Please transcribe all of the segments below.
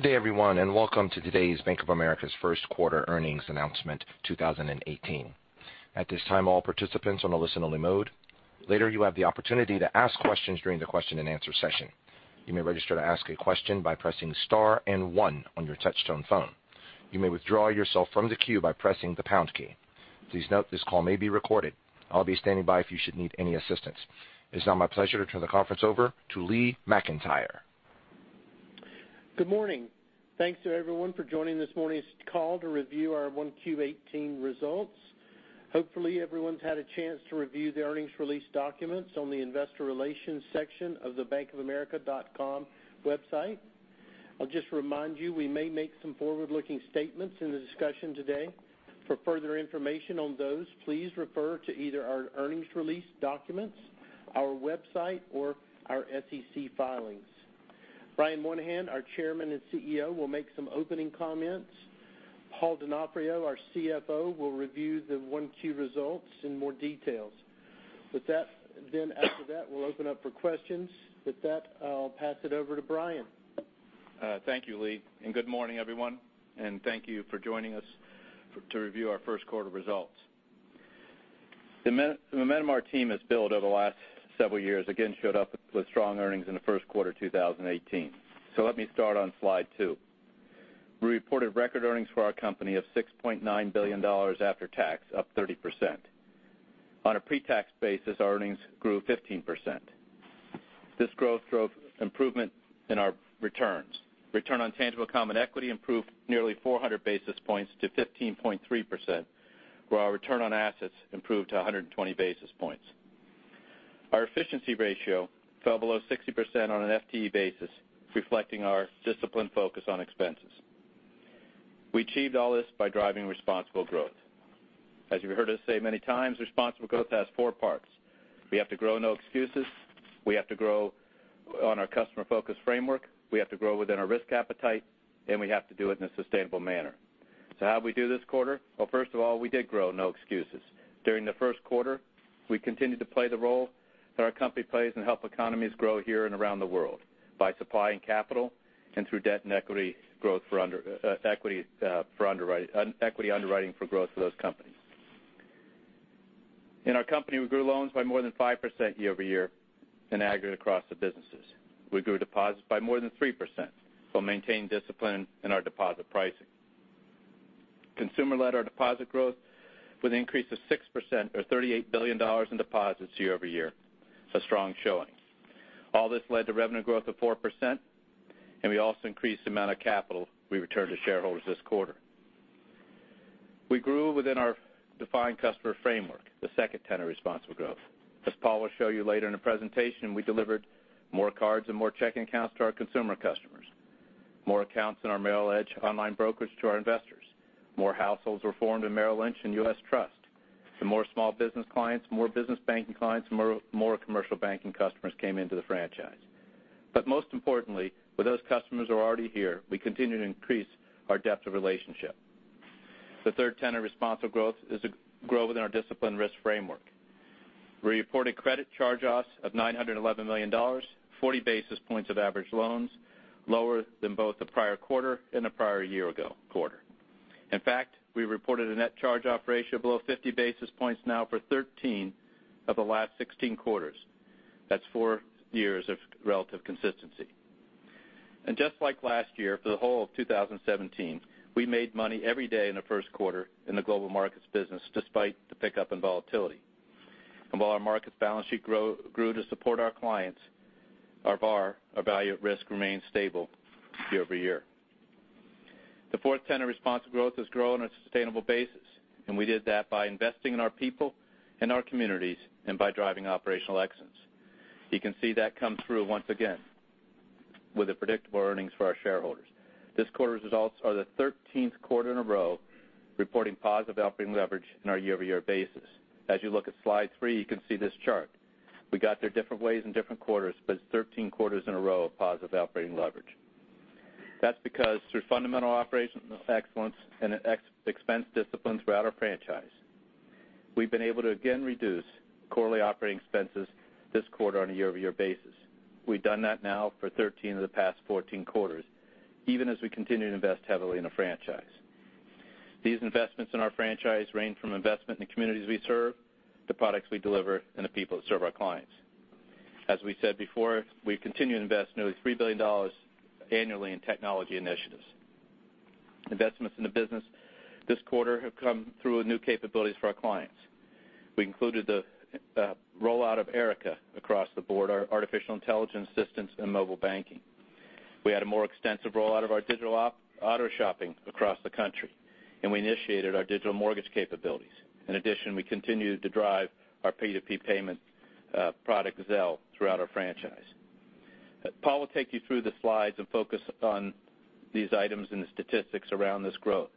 Good day, everyone. Welcome to today's Bank of America's first quarter earnings announcement 2018. At this time, all participants are on a listen-only mode. Later, you have the opportunity to ask questions during the question-and-answer session. You may register to ask a question by pressing star and one on your touchtone phone. You may withdraw yourself from the queue by pressing the pound key. Please note this call may be recorded. I'll be standing by if you should need any assistance. It's now my pleasure to turn the conference over to Lee McEntire. Good morning. Thanks to everyone for joining this morning's call to review our 1Q18 results. Hopefully, everyone's had a chance to review the earnings release documents on the investor relations section of the bankofamerica.com website. I'll just remind you, we may make some forward-looking statements in the discussion today. For further information on those, please refer to either our earnings release documents, our website, or our SEC filings. Brian Moynihan, our Chairman and CEO, will make some opening comments. Paul Donofrio, our CFO, will review the 1Q results in more details. After that, we'll open up for questions. With that, I'll pass it over to Brian. Thank you, Lee, and good morning, everyone, and thank you for joining us to review our first quarter results. The momentum our team has built over the last several years again showed up with strong earnings in the first quarter 2018. Let me start on slide two. We reported record earnings for our company of $6.9 billion after tax, up 30%. On a pre-tax basis, our earnings grew 15%. This growth drove improvement in our returns. Return on tangible common equity improved nearly 400 basis points to 15.3%, where our return on assets improved to 120 basis points. Our efficiency ratio fell below 60% on an FTE basis, reflecting our disciplined focus on expenses. We achieved all this by driving Responsible Growth. As you've heard us say many times, Responsible Growth has four parts. We have to grow, no excuses. We have to grow on our customer focus framework. We have to grow within our risk appetite. We have to do it in a sustainable manner. How'd we do this quarter? Well, first of all, we did grow, no excuses. During the first quarter, we continued to play the role that our company plays and help economies grow here and around the world by supplying capital and through debt and equity underwriting for growth for those companies. In our company, we grew loans by more than 5% year-over-year in aggregate across the businesses. We grew deposits by more than 3%, while maintaining discipline in our deposit pricing. Consumer led our deposit growth with an increase of 6%, or $38 billion in deposits year-over-year. Strong showings. All this led to revenue growth of 4%, and we also increased the amount of capital we returned to shareholders this quarter. We grew within our defined customer framework, the second tenet of responsible growth. As Paul will show you later in the presentation, we delivered more cards and more checking accounts to our consumer customers. More accounts in our Merrill Edge online brokerage to our investors. More households were formed in Merrill Lynch and U.S. Trust. More small business clients, more business banking clients, and more commercial banking customers came into the franchise. Most importantly, with those customers who are already here, we continue to increase our depth of relationship. The third tenet of responsible growth is to grow within our disciplined risk framework. We reported credit charge-offs of $911 million, 40 basis points of average loans, lower than both the prior quarter and the prior year-ago quarter. In fact, we reported a net charge-off ratio below 50 basis points now for 13 of the last 16 quarters. That's four years of relative consistency. Just like last year, for the whole of 2017, we made money every day in the Global Markets business, despite the pickup in volatility. While our markets balance sheet grew to support our clients, our VaR, our value at risk, remained stable year-over-year. The fourth tenet of responsible growth is grow on a sustainable basis, and we did that by investing in our people and our communities and by driving operational excellence. You can see that come through once again with the predictable earnings for our shareholders. This quarter's results are the 13th quarter in a row reporting positive operating leverage on our year-over-year basis. As you look at slide three, you can see this chart. We got there different ways in different quarters, it's 13 quarters in a row of positive operating leverage. That's because through fundamental operations excellence and expense discipline throughout our franchise, we've been able to again reduce quarterly operating expenses this quarter on a year-over-year basis. We've done that now for 13 of the past 14 quarters, even as we continue to invest heavily in the franchise. These investments in our franchise range from investment in the communities we serve, the products we deliver, and the people that serve our clients. As we said before, we continue to invest nearly $3 billion annually in technology initiatives. Investments in the business this quarter have come through with new capabilities for our clients. We included the rollout of Erica across the board, our artificial intelligence assistance in mobile banking. We had a more extensive rollout of our digital auto shopping across the country, and we initiated our digital mortgage capabilities. In addition, we continued to drive our P2P payment product, Zelle, throughout our franchise. Paul will take you through the slides and focus on these items and the statistics around this growth.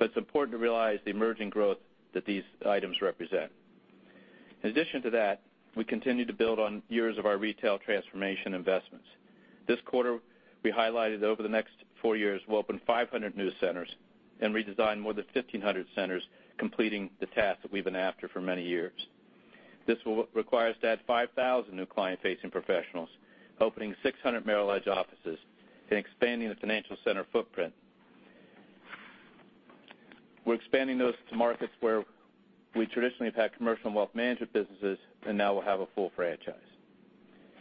It's important to realize the emerging growth that these items represent. In addition to that, we continue to build on years of our retail transformation investments. This quarter, we highlighted that over the next four years, we'll open 500 new centers and redesign more than 1,500 centers, completing the task that we've been after for many years. This will require us to add 5,000 new client-facing professionals, opening 600 Merrill Edge offices and expanding the financial center footprint. We're expanding those to markets where we traditionally have had commercial and Wealth Management businesses, and now we'll have a full franchise.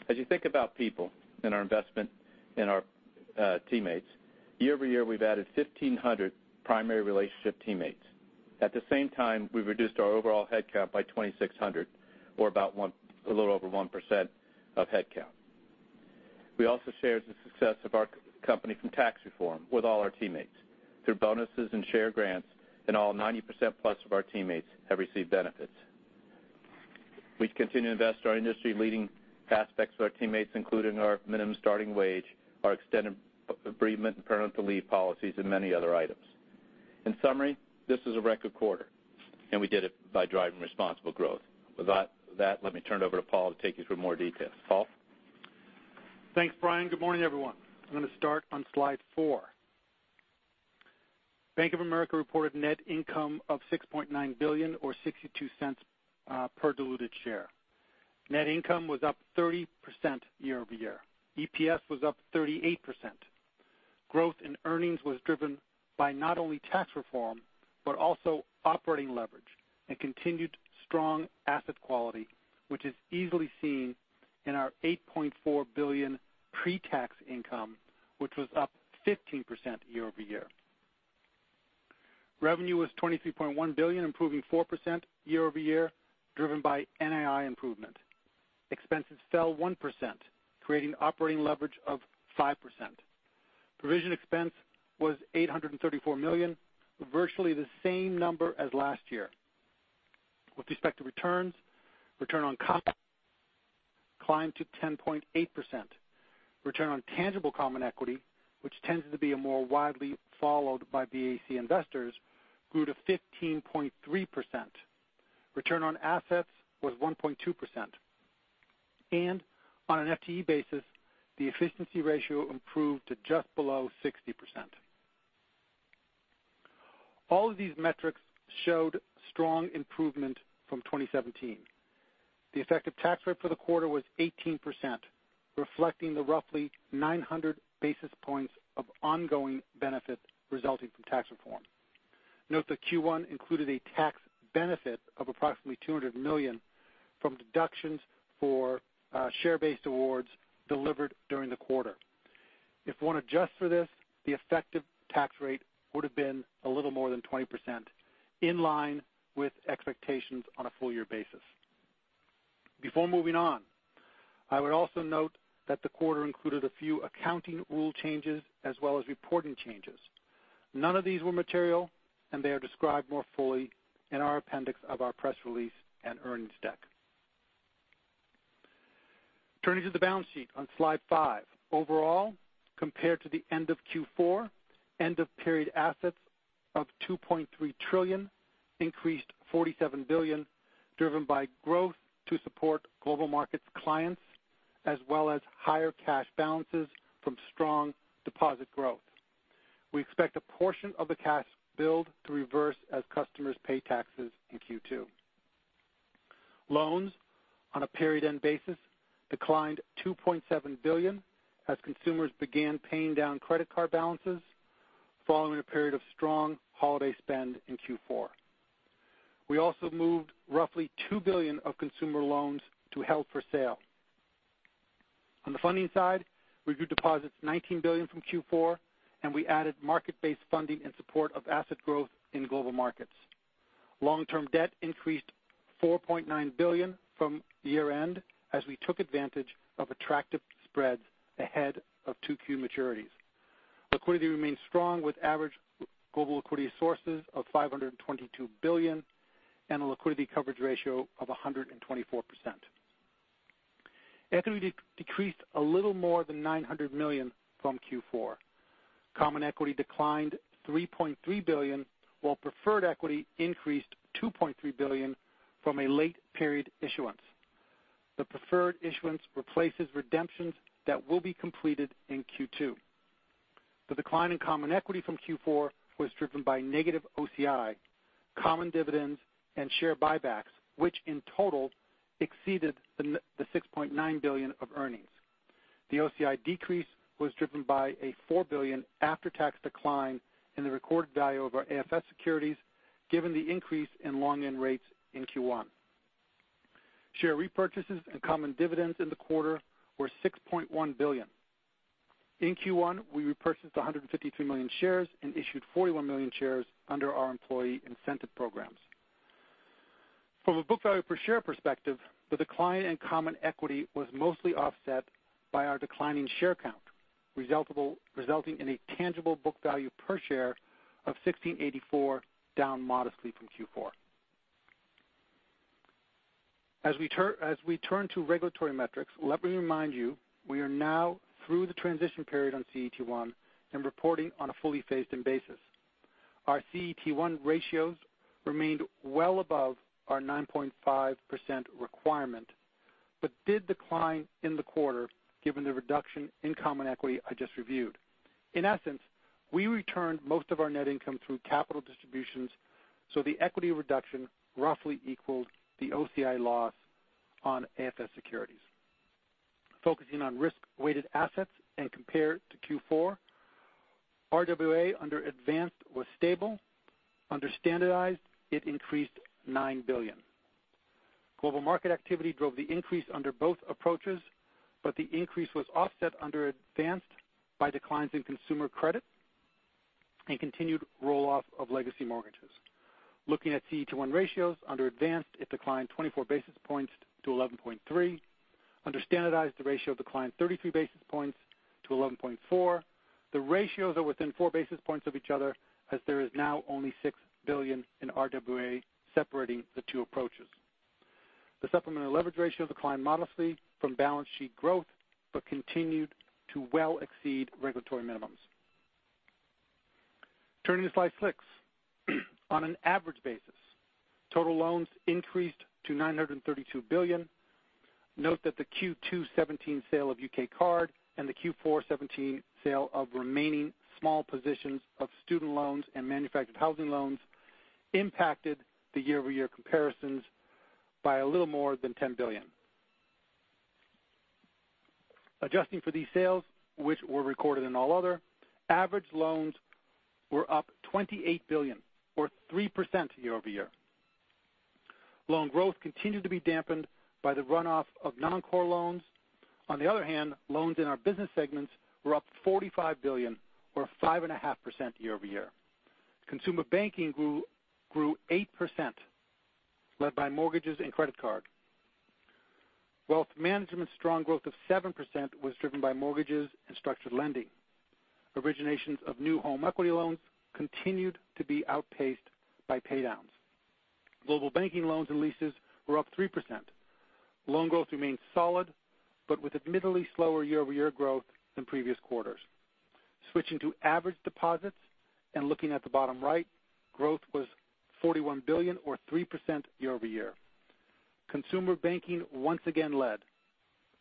As you think about people and our investment in our teammates, year-over-year, we've added 1,500 primary relationship teammates. At the same time, we've reduced our overall headcount by 2,600, or a little over 1% of headcount. We also shared the success of our company from tax reform with all our teammates through bonuses and share grants. All 90%-plus of our teammates have received benefits. We continue to invest our industry-leading aspects to our teammates, including our minimum starting wage, our extended bereavement and parental leave policies, and many other items. In summary, this is a record quarter. We did it by driving responsible growth. With that, let me turn it over to Paul to take you through more details. Paul? Thanks, Brian. Good morning, everyone. I'm going to start on slide four. Bank of America reported net income of $6.9 billion or $0.62 per diluted share. Net income was up 30% year-over-year. EPS was up 38%. Growth in earnings was driven by not only tax reform, but also operating leverage and continued strong asset quality, which is easily seen in our $8.4 billion pre-tax income, which was up 15% year-over-year. Revenue was $23.1 billion, improving 4% year-over-year, driven by NAI improvement. Expenses fell 1%, creating operating leverage of 5%. Provision expense was $834 million, virtually the same number as last year. With respect to returns, return on common equity climbed to 10.8%. Return on tangible common equity, which tends to be more widely followed by BAC investors, grew to 15.3%. Return on assets was 1.2%. On an FTE basis, the efficiency ratio improved to just below 60%. All of these metrics showed strong improvement from 2017. The effective tax rate for the quarter was 18%, reflecting the roughly 900 basis points of ongoing benefit resulting from tax reform. Note that Q1 included a tax benefit of approximately $200 million from deductions for share-based awards delivered during the quarter. If one adjusts for this, the effective tax rate would have been a little more than 20%, in line with expectations on a full-year basis. Before moving on, I would also note that the quarter included a few accounting rule changes as well as reporting changes. None of these were material. They are described more fully in our appendix of our press release and earnings deck. Turning to the balance sheet on Slide five. Overall, compared to the end of Q4, end-of-period assets of $2.3 trillion increased $47 billion, driven by growth to support Global Markets clients, as well as higher cash balances from strong deposit growth. We expect a portion of the cash build to reverse as customers pay taxes in Q2. Loans on a period-end basis declined $2.7 billion as consumers began paying down credit card balances following a period of strong holiday spend in Q4. We also moved roughly $2 billion of consumer loans to held for sale. On the funding side, we grew deposits $19 billion from Q4. We added market-based funding in support of asset growth in Global Markets. Long-term debt increased $4.9 billion from year-end, as we took advantage of attractive spreads ahead of 2Q maturities. Liquidity remains strong with average global liquidity sources of $522 billion and a liquidity coverage ratio of 124%. Equity decreased a little more than $900 million from Q4. Common equity declined $3.3 billion, while preferred equity increased $2.3 billion from a late-period issuance. The preferred issuance replaces redemptions that will be completed in Q2. The decline in common equity from Q4 was driven by negative OCI, common dividends, and share buybacks, which in total exceeded the $6.9 billion of earnings. The OCI decrease was driven by a $4 billion after-tax decline in the recorded value of our AFS securities, given the increase in long-end rates in Q1. Share repurchases and common dividends in the quarter were $6.1 billion. In Q1, we repurchased 153 million shares and issued 41 million shares under our employee incentive programs. From a book value per share perspective, the decline in common equity was mostly offset by our declining share count, resulting in a tangible book value per share of $16.84, down modestly from Q4. As we turn to regulatory metrics, let me remind you, we are now through the transition period on CET1 and reporting on a fully phased-in basis. Our CET1 ratios remained well above our 9.5% requirement. Did decline in the quarter given the reduction in common equity I just reviewed. In essence, we returned most of our net income through capital distributions, so the equity reduction roughly equals the OCI loss on AFS Securities. Focusing on risk-weighted assets and compared to Q4, RWA under advanced was stable. Under standardized, it increased $9 billion. Global market activity drove the increase under both approaches, the increase was offset under advanced by declines in consumer credit and continued roll-off of legacy mortgages. Looking at CET1 ratios, under advanced, it declined 24 basis points to 11.3. Under standardized, the ratio declined 33 basis points to 11.4. The ratios are within four basis points of each other as there is now only $6 billion in RWA separating the two approaches. The supplementary leverage ratio declined modestly from balance sheet growth, continued to well exceed regulatory minimums. Turning to slide six. On an average basis, total loans increased to $932 billion. Note that the Q2 2017 sale of UK Card and the Q4 2017 sale of remaining small positions of student loans and manufactured housing loans impacted the year-over-year comparisons by a little more than $10 billion. Adjusting for these sales, which were recorded in All Other, average loans were up $28 billion or 3% year-over-year. Loan growth continued to be dampened by the runoff of non-core loans. On the other hand, loans in our business segments were up $45 billion or 5.5% year-over-year. Consumer banking grew 8%, led by mortgages and credit card. Wealth management's strong growth of 7% was driven by mortgages and structured lending. Originations of new home equity loans continued to be outpaced by pay-downs. Global banking loans and leases were up 3%. Loan growth remained solid, with admittedly slower year-over-year growth than previous quarters. Switching to average deposits and looking at the bottom right, growth was $41 billion or 3% year-over-year. Consumer banking once again led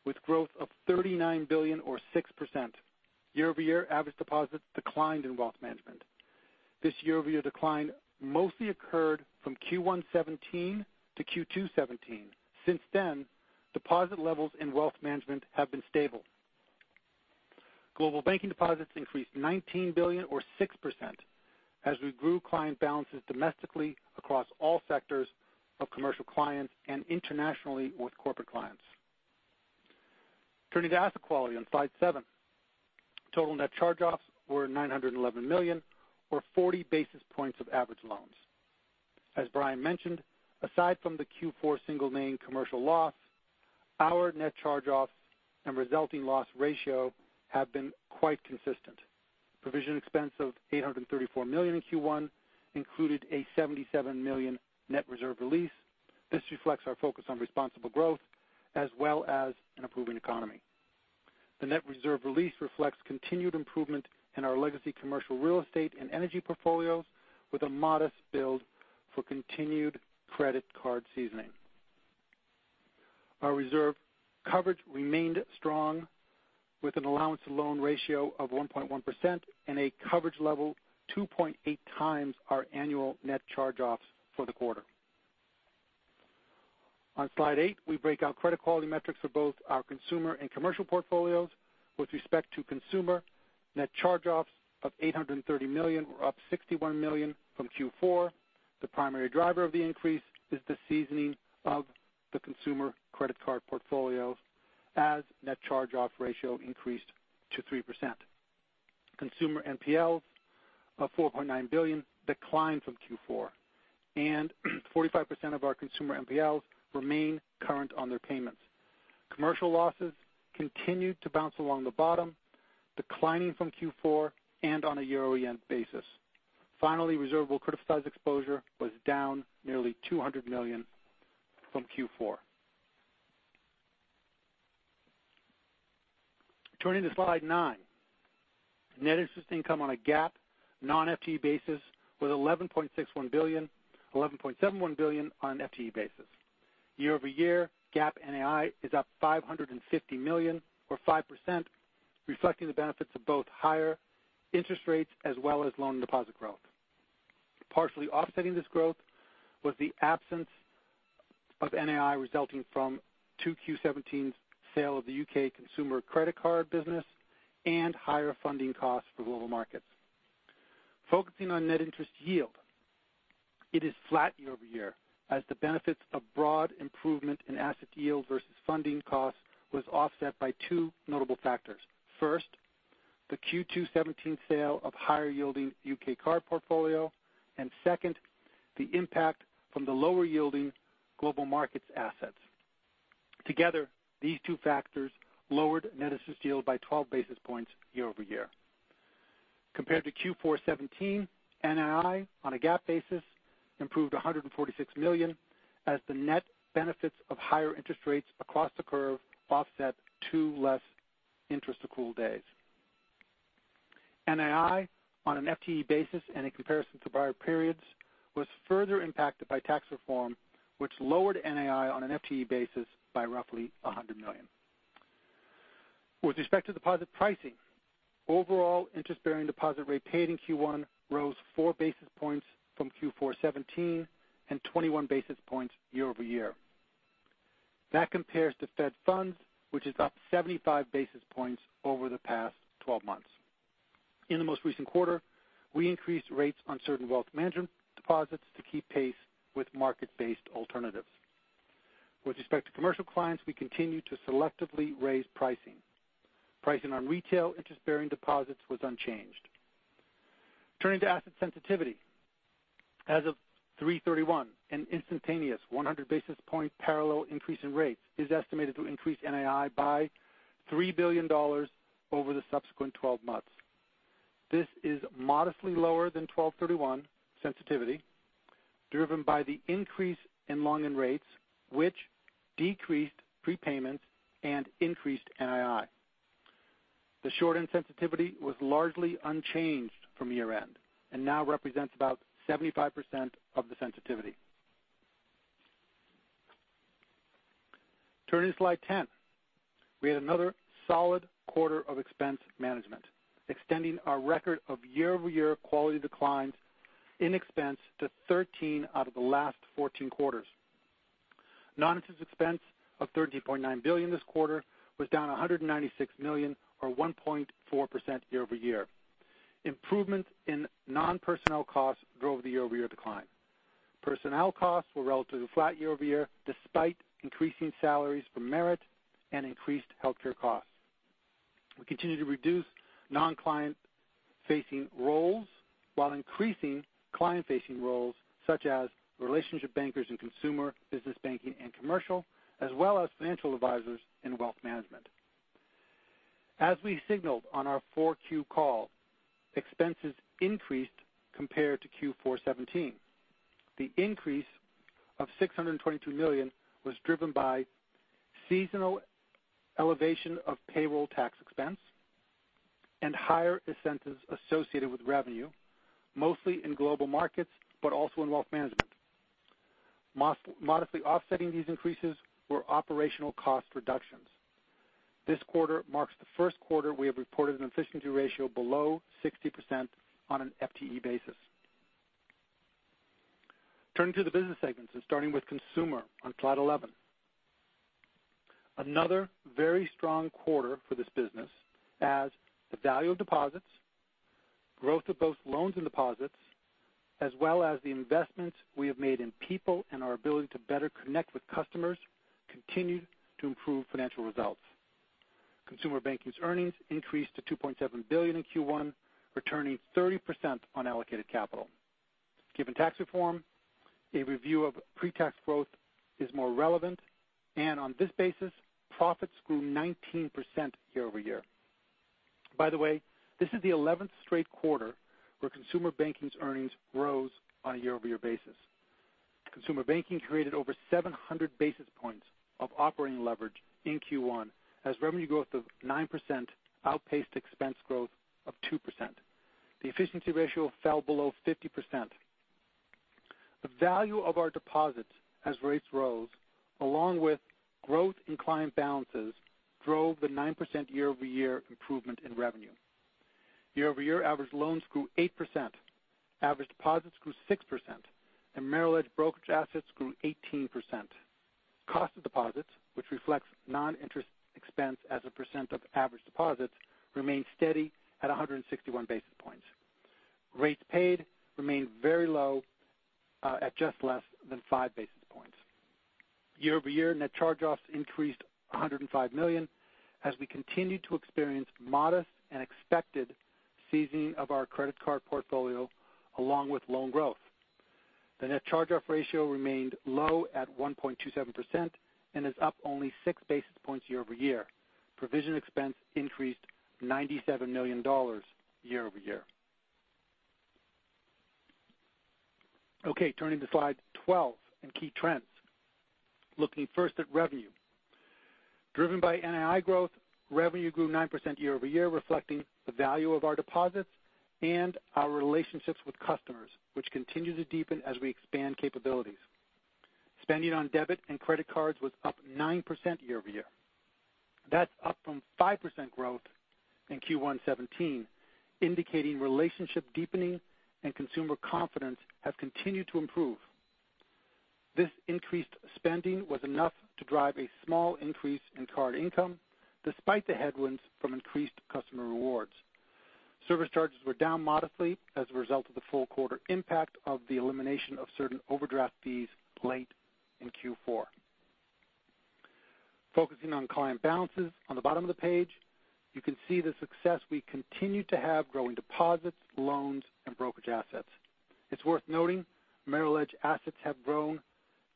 with growth of $39 billion or 6%. Year-over-year average deposits declined in wealth management. This year-over-year decline mostly occurred from Q1 2017 to Q2 2017. Since then, deposit levels in Wealth Management have been stable. Global Banking deposits increased $19 billion or 6% as we grew client balances domestically across all sectors of commercial clients and internationally with corporate clients. Turning to asset quality on slide seven. Total net charge-offs were $911 million or 40 basis points of average loans. As Brian mentioned, aside from the Q4 single main commercial loss, our net charge-offs and resulting loss ratio have been quite consistent. Provision expense of $834 million in Q1 included a $77 million net reserve release. This reflects our focus on responsible growth as well as an improving economy. The net reserve release reflects continued improvement in our legacy commercial real estate and energy portfolios with a modest build for continued credit card seasoning. Our reserve coverage remained strong with an allowance to loan ratio of 1.1% and a coverage level 2.8 times our annual net charge-offs for the quarter. On slide eight, we break out credit quality metrics for both our consumer and commercial portfolios. With respect to consumer, net charge-offs of $830 million were up $61 million from Q4. The primary driver of the increase is the seasoning of the consumer credit card portfolio as net charge-off ratio increased to 3%. Consumer NPLs of $4.9 billion declined from Q4, and 45% of our consumer NPLs remain current on their payments. Commercial losses continued to bounce along the bottom, declining from Q4 and on a year-over-year basis. Reservable criticized exposure was down nearly $200 million from Q4. Turning to slide nine. Net interest income on a GAAP non-FTE basis was $11.61 billion, $11.71 billion on an FTE basis. Year-over-year GAAP NAI is up $550 million or 5%, reflecting the benefits of both higher interest rates as well as loan deposit growth. Partially offsetting this growth was the absence of NAI resulting from 2Q17's sale of the UK consumer credit card business and higher funding costs for Global Markets. Focusing on net interest yield, it is flat year-over-year as the benefits of broad improvement in asset yield versus funding costs was offset by two notable factors. First, the Q2 2017 sale of higher-yielding UK Card portfolio, and second, the impact from the lower-yielding Global Markets assets. Together, these two factors lowered net interest yield by 12 basis points year-over-year. Compared to Q4 2017, NII on a GAAP basis improved to $146 million as the net benefits of higher interest rates across the curve offset two less interest accrual days. NII on an FTE basis and in comparison to prior periods was further impacted by tax reform, which lowered NII on an FTE basis by roughly $100 million. With respect to deposit pricing, overall interest-bearing deposit rate paid in Q1 rose four basis points from Q4 2017 and 21 basis points year-over-year. That compares to Fed funds, which is up 75 basis points over the past 12 months. In the most recent quarter, we increased rates on certain Wealth Management deposits to keep pace with market-based alternatives. With respect to commercial clients, we continue to selectively raise pricing. Pricing on retail interest-bearing deposits was unchanged. Turning to asset sensitivity. As of 3/31, an instantaneous 100 basis point parallel increase in rates is estimated to increase NII by $3 billion over the subsequent 12 months. This is modestly lower than 12/31 sensitivity, driven by the increase in long-end rates, which decreased prepayments and increased NII. The short-end sensitivity was largely unchanged from year-end and now represents about 75% of the sensitivity. Turning to slide 10. We had another solid quarter of expense management, extending our record of year-over-year quality declines in expense to 13 out of the last 14 quarters. Non-interest expense of $30.9 billion this quarter was down $196 million or 1.4% year-over-year. Improvements in non-personnel costs drove the year-over-year decline. Personnel costs were relatively flat year-over-year, despite increasing salaries for merit and increased healthcare costs. We continue to reduce non-client-facing roles while increasing client-facing roles such as relationship bankers in Consumer, business banking, and commercial, as well as financial advisors in Wealth Management. As we signaled on our 4Q call, expenses increased compared to Q4 2017. The increase of $622 million was driven by seasonal elevation of payroll tax expense and higher incentives associated with revenue, mostly in Global Markets, but also in Wealth Management. Modestly offsetting these increases were operational cost reductions. This quarter marks the first quarter we have reported an efficiency ratio below 60% on an FTE basis. Turning to the business segments and starting with consumer on slide 11. Another very strong quarter for this business as the value of deposits, growth of both loans and deposits, as well as the investments we have made in people and our ability to better connect with customers continued to improve financial results. Consumer Banking's earnings increased to $2.7 billion in Q1, returning 30% on allocated capital. Given tax reform, a review of pre-tax growth is more relevant, and on this basis, profits grew 19% year-over-year. By the way, this is the 11th straight quarter where Consumer Banking's earnings rose on a year-over-year basis. Consumer Banking created over 700 basis points of operating leverage in Q1, as revenue growth of 9% outpaced expense growth of 2%. The efficiency ratio fell below 50%. The value of our deposits as rates rose, along with growth in client balances, drove the 9% year-over-year improvement in revenue. Year-over-year, average loans grew 8%, average deposits grew 6%, and Merrill Edge brokerage assets grew 18%. Cost of deposits, which reflects non-interest expense as a percent of average deposits, remained steady at 161 basis points. Rates paid remained very low at just less than five basis points. Year-over-year, net charge-offs increased $105 million, as we continued to experience modest and expected seasoning of our credit card portfolio, along with loan growth. The net charge-off ratio remained low at 1.27% and is up only six basis points year-over-year. Provision expense increased $97 million year-over-year. Okay, turning to slide 12 in key trends. Looking first at revenue. Driven by NII growth, revenue grew 9% year-over-year, reflecting the value of our deposits and our relationships with customers, which continue to deepen as we expand capabilities. Spending on debit and credit cards was up 9% year-over-year. That's up from 5% growth in Q1 2017, indicating relationship deepening and consumer confidence have continued to improve. This increased spending was enough to drive a small increase in card income, despite the headwinds from increased customer rewards. Service charges were down modestly as a result of the full quarter impact of the elimination of certain overdraft fees late in Q4. Focusing on client balances on the bottom of the page, you can see the success we continue to have growing deposits, loans, and brokerage assets. It's worth noting Merrill Edge assets have grown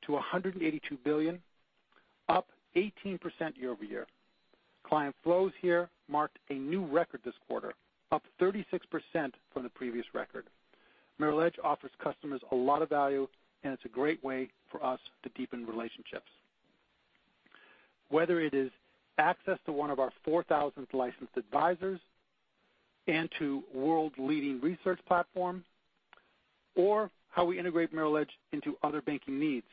to $182 billion, up 18% year-over-year. Client flows here marked a new record this quarter, up 36% from the previous record. Merrill Edge offers customers a lot of value, and it's a great way for us to deepen relationships. Whether it is access to one of our 4,000 licensed advisors and to world-leading research platform, or how we integrate Merrill Edge into other banking needs,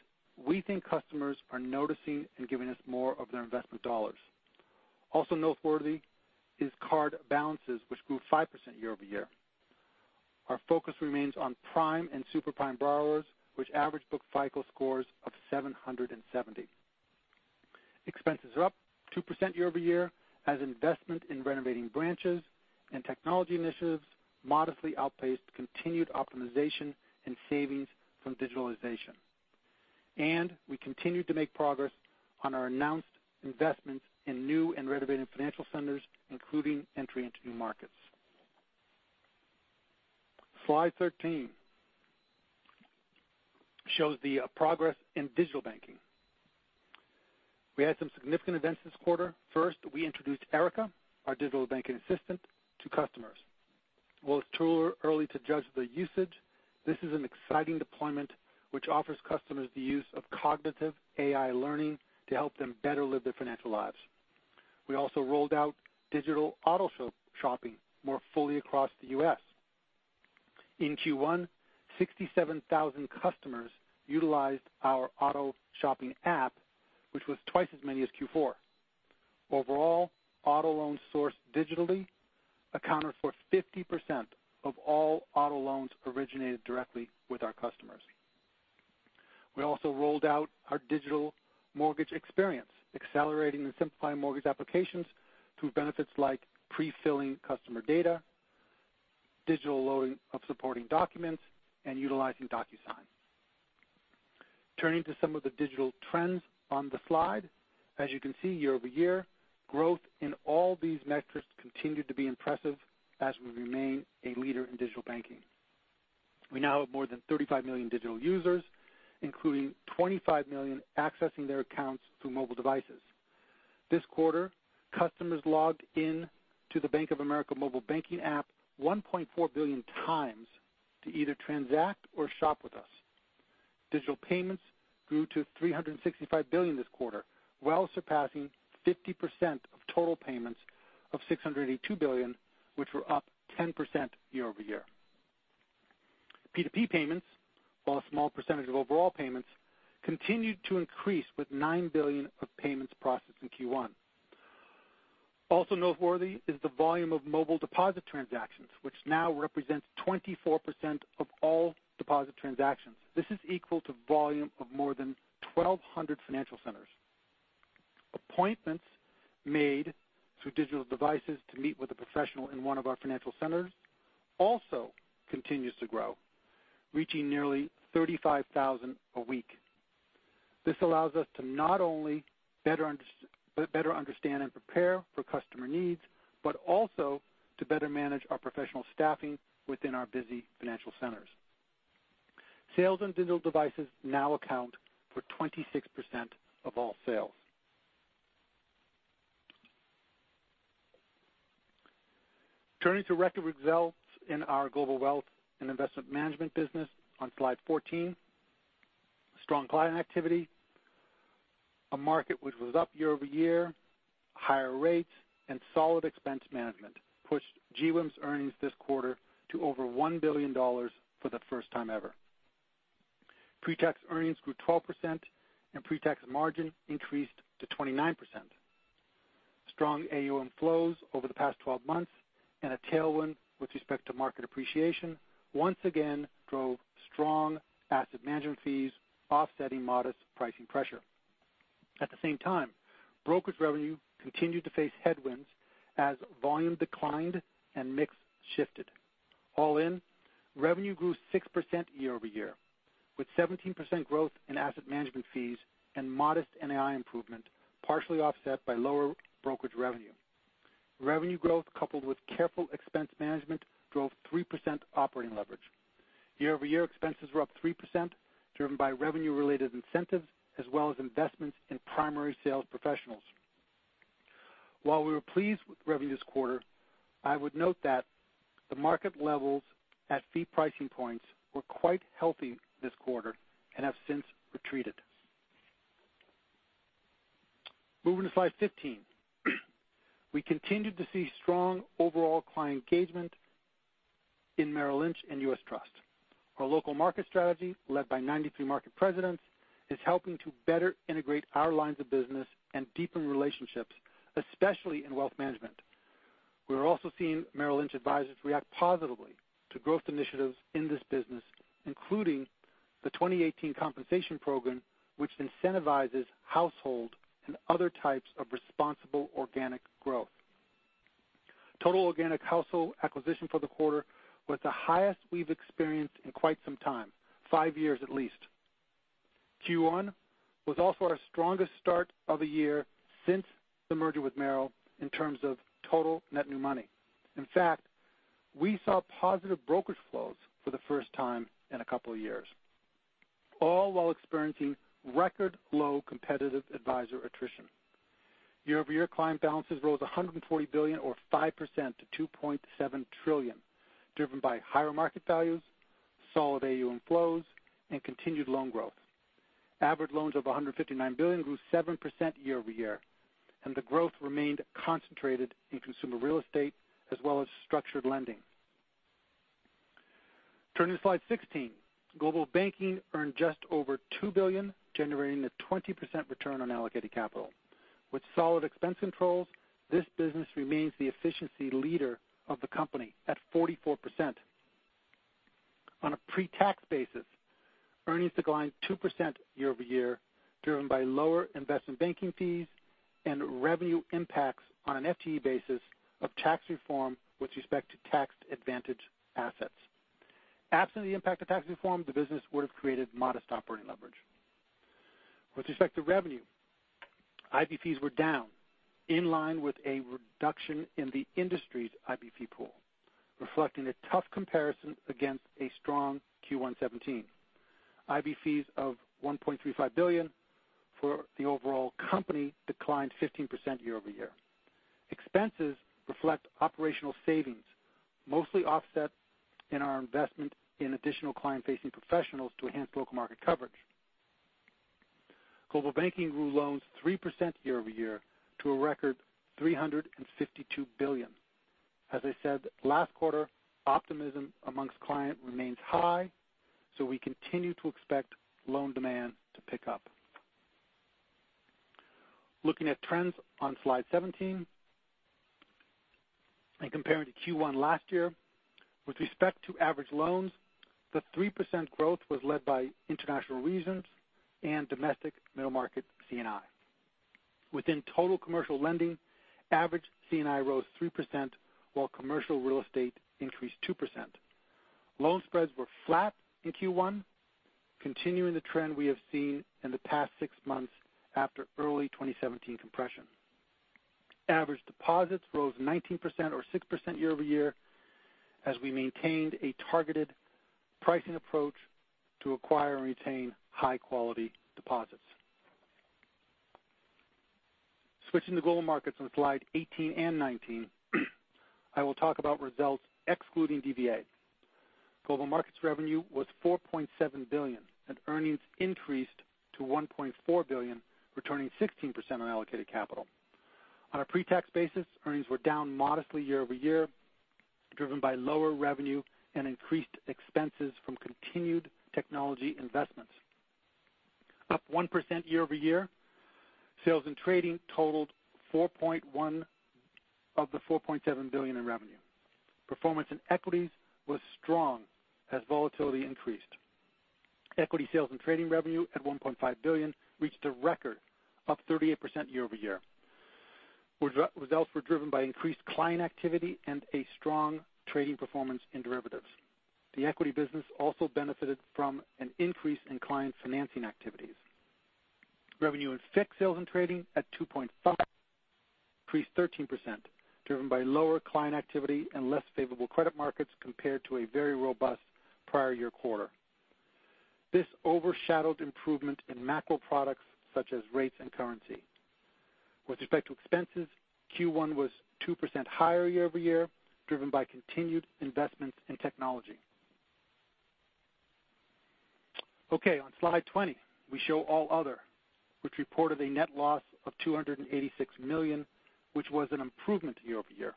we think customers are noticing and giving us more of their investment dollars. Also noteworthy is card balances, which grew 5% year-over-year. Our focus remains on prime and super prime borrowers, which average book FICO scores of 770. Expenses are up 2% year-over-year as investment in renovating branches and technology initiatives modestly outpaced continued optimization and savings from digitalization. We continued to make progress on our announced investments in new and renovated financial centers, including entry into new markets. Slide 13 shows the progress in digital banking. We had some significant events this quarter. First, we introduced Erica, our digital banking assistant, to customers. While it's too early to judge the usage, this is an exciting deployment which offers customers the use of cognitive AI learning to help them better live their financial lives. We also rolled out digital auto shopping more fully across the U.S. In Q1, 67,000 customers utilized our auto shopping app, which was twice as many as Q4. Overall, auto loans sourced digitally accounted for 50% of all auto loans originated directly with our customers. We also rolled out our digital mortgage experience, accelerating and simplifying mortgage applications through benefits like pre-filling customer data, digital loading of supporting documents, and utilizing DocuSign. Turning to some of the digital trends on the slide. As you can see, year-over-year, growth in all these metrics continued to be impressive as we remain a leader in digital banking. We now have more than 35 million digital users, including 25 million accessing their accounts through mobile devices. This quarter, customers logged in to the Bank of America mobile banking app 1.4 billion times to either transact or shop with us. Digital payments grew to $365 billion this quarter, well surpassing 50% of total payments of $682 billion, which were up 10% year-over-year. P2P payments, while a small percentage of overall payments, continued to increase with $9 billion of payments processed in Q1. Also noteworthy is the volume of mobile deposit transactions, which now represents 24% of all deposit transactions. This is equal to volume of more than 1,200 financial centers. Appointments made through digital devices to meet with a professional in one of our financial centers also continues to grow, reaching nearly 35,000 a week. This allows us to not only better understand and prepare for customer needs, but also to better manage our professional staffing within our busy financial centers. Sales on digital devices now account for 26% of all sales. Turning to record results in our Global Wealth and Investment Management business on slide 14. Strong client activity, a market which was up year-over-year, higher rates, and solid expense management pushed GWIM's earnings this quarter to over $1 billion for the first time ever. Pre-tax earnings grew 12%, and pre-tax margin increased to 29%. Strong AUM flows over the past 12 months and a tailwind with respect to market appreciation once again drove strong asset management fees, offsetting modest pricing pressure. At the same time, brokerage revenue continued to face headwinds as volume declined and mix shifted. All in, revenue grew 6% year-over-year, with 17% growth in asset management fees and modest NAI improvement, partially offset by lower brokerage revenue. Revenue growth, coupled with careful expense management, drove 3% operating leverage. Year-over-year expenses were up 3%, driven by revenue-related incentives, as well as investments in primary sales professionals. While we were pleased with revenue this quarter, I would note that the market levels at fee pricing points were quite healthy this quarter and have since retreated. Moving to slide 15. We continued to see strong overall client engagement in Merrill Lynch and U.S. Trust. Our local market strategy, led by 93 market presidents, is helping to better integrate our lines of business and deepen relationships, especially in Wealth Management. We're also seeing Merrill Lynch advisors react positively to growth initiatives in this business, including the 2018 compensation program, which incentivizes household and other types of responsible organic growth. Total organic household acquisition for the quarter was the highest we've experienced in quite some time, five years at least. Q1 was also our strongest start of a year since the merger with Merrill in terms of total net new money. In fact, we saw positive brokerage flows for the first time in a couple of years, all while experiencing record low competitive advisor attrition. Year-over-year client balances rose $140 billion or 5% to $2.7 trillion, driven by higher market values, Solid AUM flows and continued loan growth. Average loans of $159 billion grew 7% year-over-year, the growth remained concentrated in consumer real estate as well as structured lending. Turning to slide 16. Global Banking earned just over $2 billion, generating a 20% return on allocated capital. With solid expense controls, this business remains the efficiency leader of the company at 44%. On a pre-tax basis, earnings declined 2% year-over-year, driven by lower investment banking fees and revenue impacts on an FTE basis of tax reform with respect to tax advantage assets. Absent the impact of tax reform, the business would have created modest operating leverage. With respect to revenue, IB fees were down, in line with a reduction in the industry's IB fee pool, reflecting a tough comparison against a strong Q1 2017. IB fees of $1.35 billion for the overall company declined 15% year-over-year. Expenses reflect operational savings, mostly offset in our investment in additional client-facing professionals to enhance local market coverage. Global Banking grew loans 3% year-over-year to a record $352 billion. As I said last quarter, optimism amongst client remains high, we continue to expect loan demand to pick up. Looking at trends on slide 17 and comparing to Q1 last year, with respect to average loans, the 3% growth was led by international regions and domestic middle market C&I. Within total commercial lending, average C&I rose 3%, while commercial real estate increased 2%. Loan spreads were flat in Q1, continuing the trend we have seen in the past six months after early 2017 compression. Average deposits rose 19% or 6% year-over-year, as we maintained a targeted pricing approach to acquire and retain high-quality deposits. Switching to Global Markets on slide 18 and 19, I will talk about results excluding DVA. Global Markets revenue was $4.7 billion. Earnings increased to $1.4 billion, returning 16% on allocated capital. On a pre-tax basis, earnings were down modestly year-over-year, driven by lower revenue and increased expenses from continued technology investments. Up 1% year-over-year, sales and trading totaled $4.1 billion of the $4.7 billion in revenue. Performance in equities was strong as volatility increased. Equity sales and trading revenue at $1.5 billion reached a record, up 38% year-over-year. Results were driven by increased client activity and a strong trading performance in derivatives. The equity business also benefited from an increase in client financing activities. Revenue in FICC sales and trading at $2.5 billion increased 13%, driven by lower client activity and less favorable credit markets compared to a very robust prior year quarter. This overshadowed improvement in macro products such as rates and currency. With respect to expenses, Q1 was 2% higher year-over-year, driven by continued investments in technology. Okay, on slide 20, we show all other, which reported a net loss of $286 million, which was an improvement year-over-year.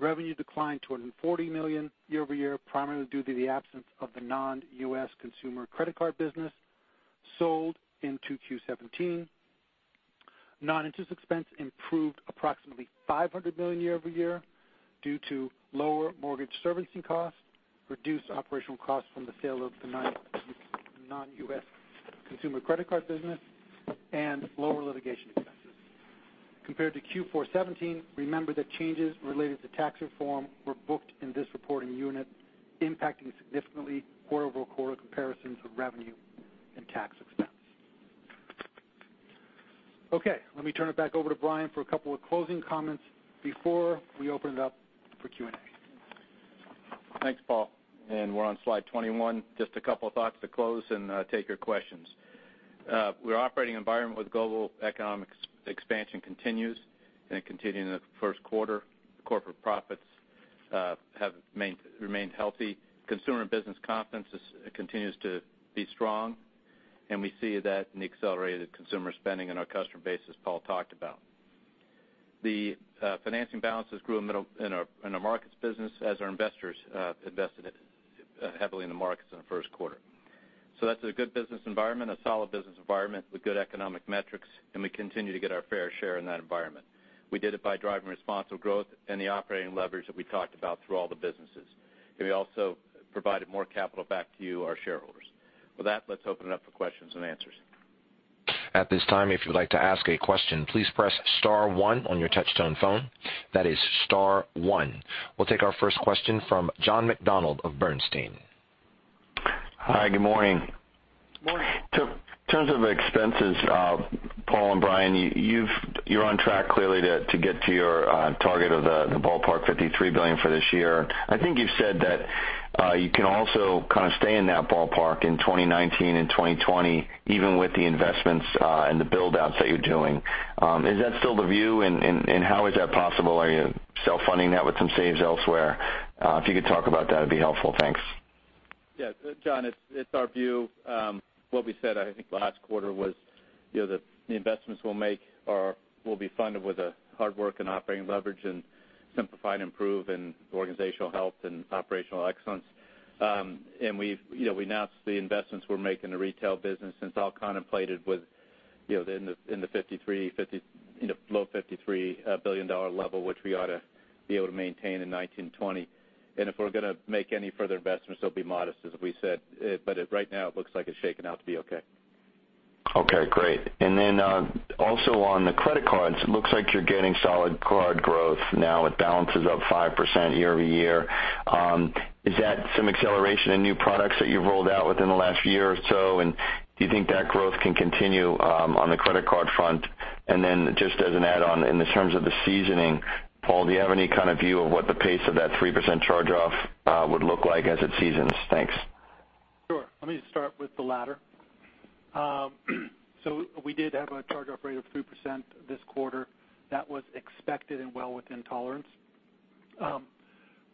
Revenue declined to $140 million year-over-year, primarily due to the absence of the non-U.S. consumer credit card business sold into Q217. Non-interest expense improved approximately $500 million year-over-year due to lower mortgage servicing costs, reduced operational costs from the sale of the non-U.S. consumer credit card business, and lower litigation expenses. Compared to Q4'17, remember that changes related to tax reform were booked in this reporting unit, impacting significantly quarter-over-quarter comparisons of revenue and tax expense. Okay, let me turn it back over to Brian for a couple of closing comments before we open it up for Q&A. Thanks, Paul. We're on slide 21. Just a couple of thoughts to close and take your questions. We're operating in an environment where the global economic expansion continues, and it continued in the first quarter. Corporate profits have remained healthy. Consumer business confidence continues to be strong, and we see that in the accelerated consumer spending in our customer base, as Paul talked about. The financing balances grew in our markets business as our investors invested it heavily in the markets in the first quarter. That's a good business environment, a solid business environment with good economic metrics, and we continue to get our fair share in that environment. We did it by driving responsible growth and the operating leverage that we talked about through all the businesses. We also provided more capital back to you, our shareholders. With that, let's open it up for questions and answers. At this time, if you would like to ask a question, please press star one on your touchtone phone. That is star one. We'll take our first question from John McDonald of Bernstein. Hi, good morning. Morning. In terms of expenses, Paul and Brian, you're on track clearly to get to your target of the ballpark $53 billion for this year. I think you've said that you can also kind of stay in that ballpark in 2019 and 2020, even with the investments and the build-outs that you're doing. Is that still the view? How is that possible? Are you self-funding that with some saves elsewhere? If you could talk about that, it'd be helpful. Thanks. Yeah. John, it's our view, what we said, I think last quarter was that the investments we'll make will be funded with hard work and operating leverage in Simplify and Improve and organizational health and operational excellence. We've announced the investments we're making in the retail business, and it's all contemplated within the low $53 billion level, which we ought to be able to maintain in 2019, 2020. If we're going to make any further investments, they'll be modest, as we said. Right now, it looks like it's shaking out to be okay. Okay, great. Also on the credit cards, it looks like you're getting solid card growth now with balances up 5% year-over-year. Is that some acceleration in new products that you've rolled out within the last year or so, do you think that growth can continue on the credit card front? Just as an add-on, in the terms of the seasoning, Paul, do you have any kind of view of what the pace of that 3% charge-off would look like as it seasons? Thanks. Sure. Let me start with the latter. We did have a charge-off rate of 3% this quarter. That was expected and well within tolerance.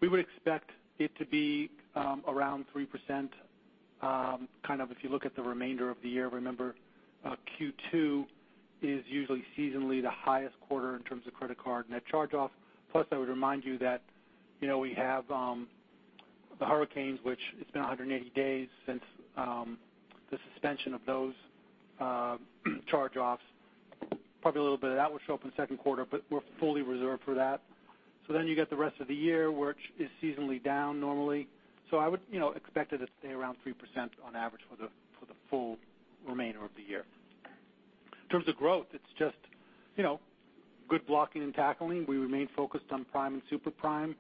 We would expect it to be around 3%, if you look at the remainder of the year. Remember, Q2 is usually seasonally the highest quarter in terms of credit card net charge-off. Plus, I would remind you that we have the hurricanes, which it's been 180 days since the suspension of those charge-offs. Probably a little bit of that will show up in the second quarter, but we're fully reserved for that. You get the rest of the year, which is seasonally down normally. I would expect it to stay around 3% on average for the full remainder of the year. In terms of growth, it's just good blocking and tackling. We remain focused on prime and super prime,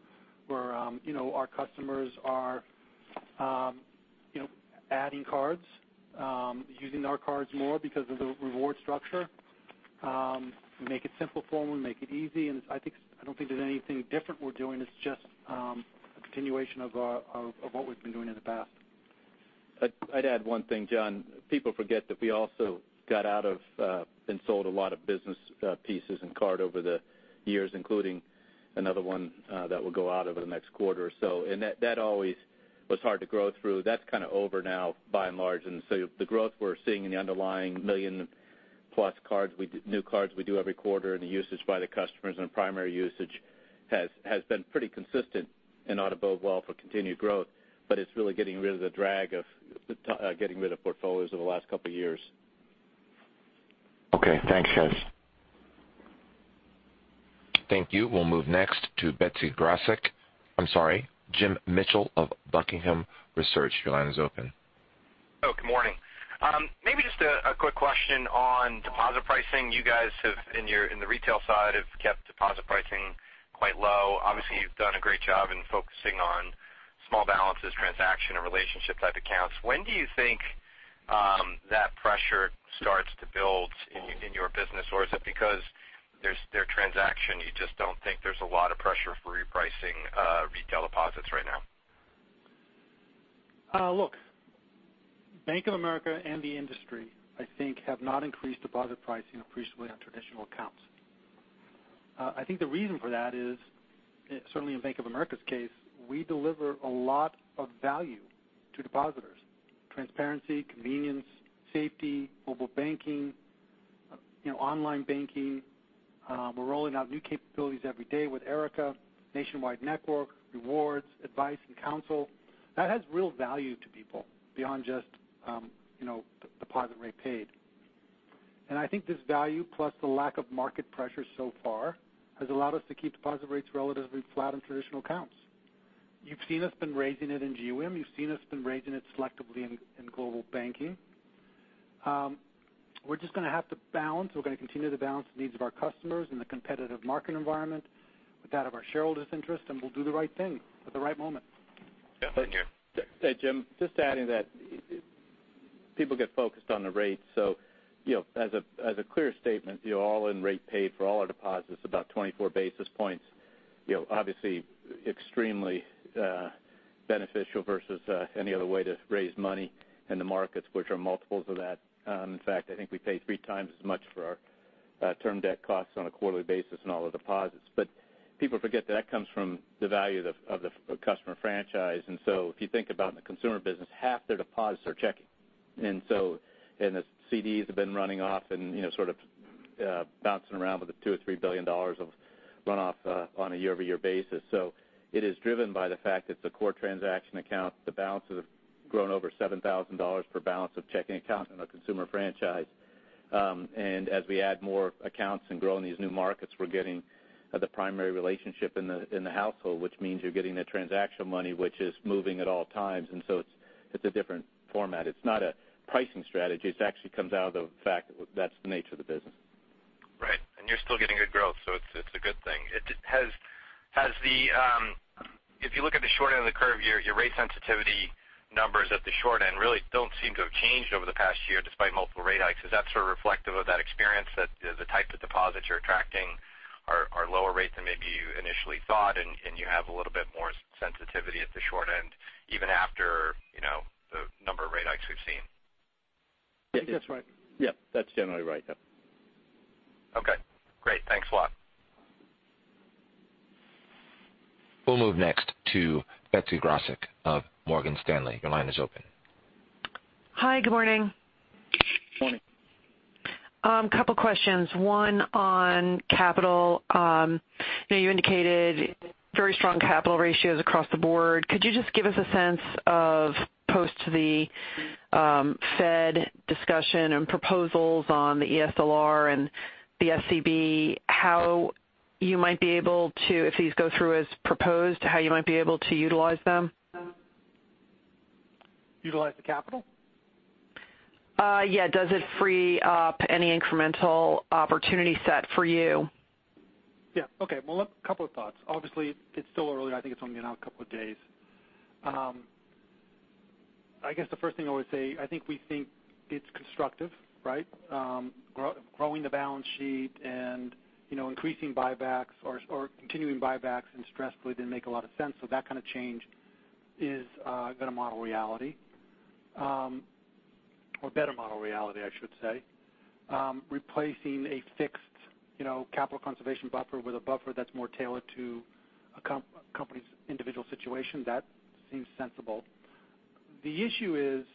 where our customers are adding cards, using our cards more because of the reward structure. We make it simple for them, we make it easy, I don't think there's anything different we're doing. It's just a continuation of what we've been doing in the past. I'd add one thing, John. People forget that we also got out of and sold a lot of business pieces and card over the years, including another one that will go out over the next quarter or so. That always was hard to grow through. That's kind of over now, by and large. The growth we're seeing in the underlying million-plus new cards we do every quarter and the usage by the customers and the primary usage has been pretty consistent and ought to bode well for continued growth. It's really getting rid of the drag of getting rid of portfolios over the last couple of years. Okay, thanks guys. Thank you. We'll move next to Jim Mitchell of Buckingham Research. Your line is open. Good morning. Maybe just a quick question on deposit pricing. You guys have, in the retail side, kept deposit pricing quite low. Obviously, you've done a great job in focusing on small balances, transaction, and relationship-type accounts. When do you think that pressure starts to build in your business? Or is it because they're transaction, you just don't think there's a lot of pressure for repricing retail deposits right now? Look, Bank of America and the industry, I think, have not increased deposit pricing appreciably on traditional accounts. I think the reason for that is, certainly in Bank of America's case, we deliver a lot of value to depositors. Transparency, convenience, safety, mobile banking, online banking. We're rolling out new capabilities every day with Erica, nationwide network, rewards, advice, and counsel. That has real value to people beyond just the deposit rate paid. I think this value, plus the lack of market pressure so far, has allowed us to keep deposit rates relatively flat on traditional accounts. You've seen us been raising it in GWIM. You've seen us been raising it selectively in Global Banking. We're just going to have to balance. We're going to continue to balance the needs of our customers in the competitive market environment with that of our shareholders' interest, we'll do the right thing at the right moment. Thank you. Hey, Jim, just adding that people get focused on the rates. As a clear statement, the all-in rate paid for all our deposits, about 24 basis points. Obviously extremely beneficial versus any other way to raise money in the markets, which are multiples of that. In fact, I think we pay three times as much for our term debt costs on a quarterly basis in all the deposits. People forget that that comes from the value of the customer franchise. If you think about in the consumer business, half their deposits are checking. And the CDs have been running off and sort of bouncing around with a $2 billion or $3 billion of runoff on a year-over-year basis. It is driven by the fact that the core transaction accounts, the balances have grown over $7,000 per balance of checking accounts in the consumer franchise. As we add more accounts and grow in these new markets, we're getting the primary relationship in the household, which means you're getting the transactional money, which is moving at all times. It's a different format. It's not a pricing strategy. It actually comes out of the fact that's the nature of the business. Right. You're still getting good growth, it's a good thing. If you look at the short end of the curve, your rate sensitivity numbers at the short end really don't seem to have changed over the past year, despite multiple rate hikes. Is that sort of reflective of that experience, that the types of deposits you're attracting are lower rates than maybe you initially thought, and you have a little bit more sensitivity at the short end, even after the number of rate hikes we've seen? I think that's right. Yep, that's generally right. Yep. Okay, great. Thanks a lot. We'll move next to Betsy Graseck of Morgan Stanley. Your line is open. Hi, good morning. Morning. Couple questions. One on capital. You indicated very strong capital ratios across the board. Could you just give us a sense of post the Fed discussion and proposals on the eSLR and the SCB, how you might be able to, if these go through as proposed, how you might be able to utilize them? Utilize the capital? Yeah. Does it free up any incremental opportunity set for you? Yeah. Okay. Well, a couple of thoughts. Obviously, it's still early. I think it's only been out a couple of days. I guess the first thing I would say, I think we think it's constructive, right? Growing the balance sheet and increasing buybacks or continuing buybacks and stress really didn't make a lot of sense. That kind of change is going to model reality. Or better model reality, I should say. Replacing a fixed capital conservation buffer with a buffer that's more tailored to a company's individual situation, that seems sensible. The issue is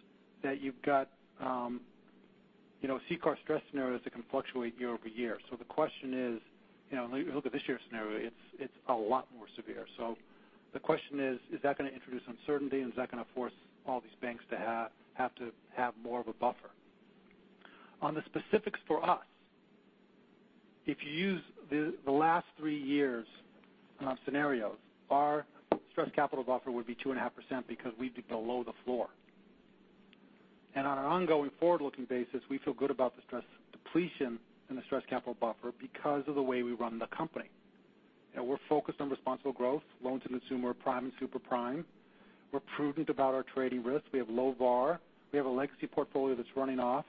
that you've got CCAR stress scenarios that can fluctuate year-over-year. The question is, look at this year's scenario, it's a lot more severe. The question is that going to introduce uncertainty and is that going to force all these banks to have to have more of a buffer? On the specifics for us, if you use the last three years scenarios, our stress capital buffer would be 2.5% because we'd be below the floor. On an ongoing forward-looking basis, we feel good about the stress depletion in the stress capital buffer because of the way we run the company. We're focused on responsible growth, loans and consumer prime and super prime. We're prudent about our trading risk. We have low VaR. We have a legacy portfolio that's running off.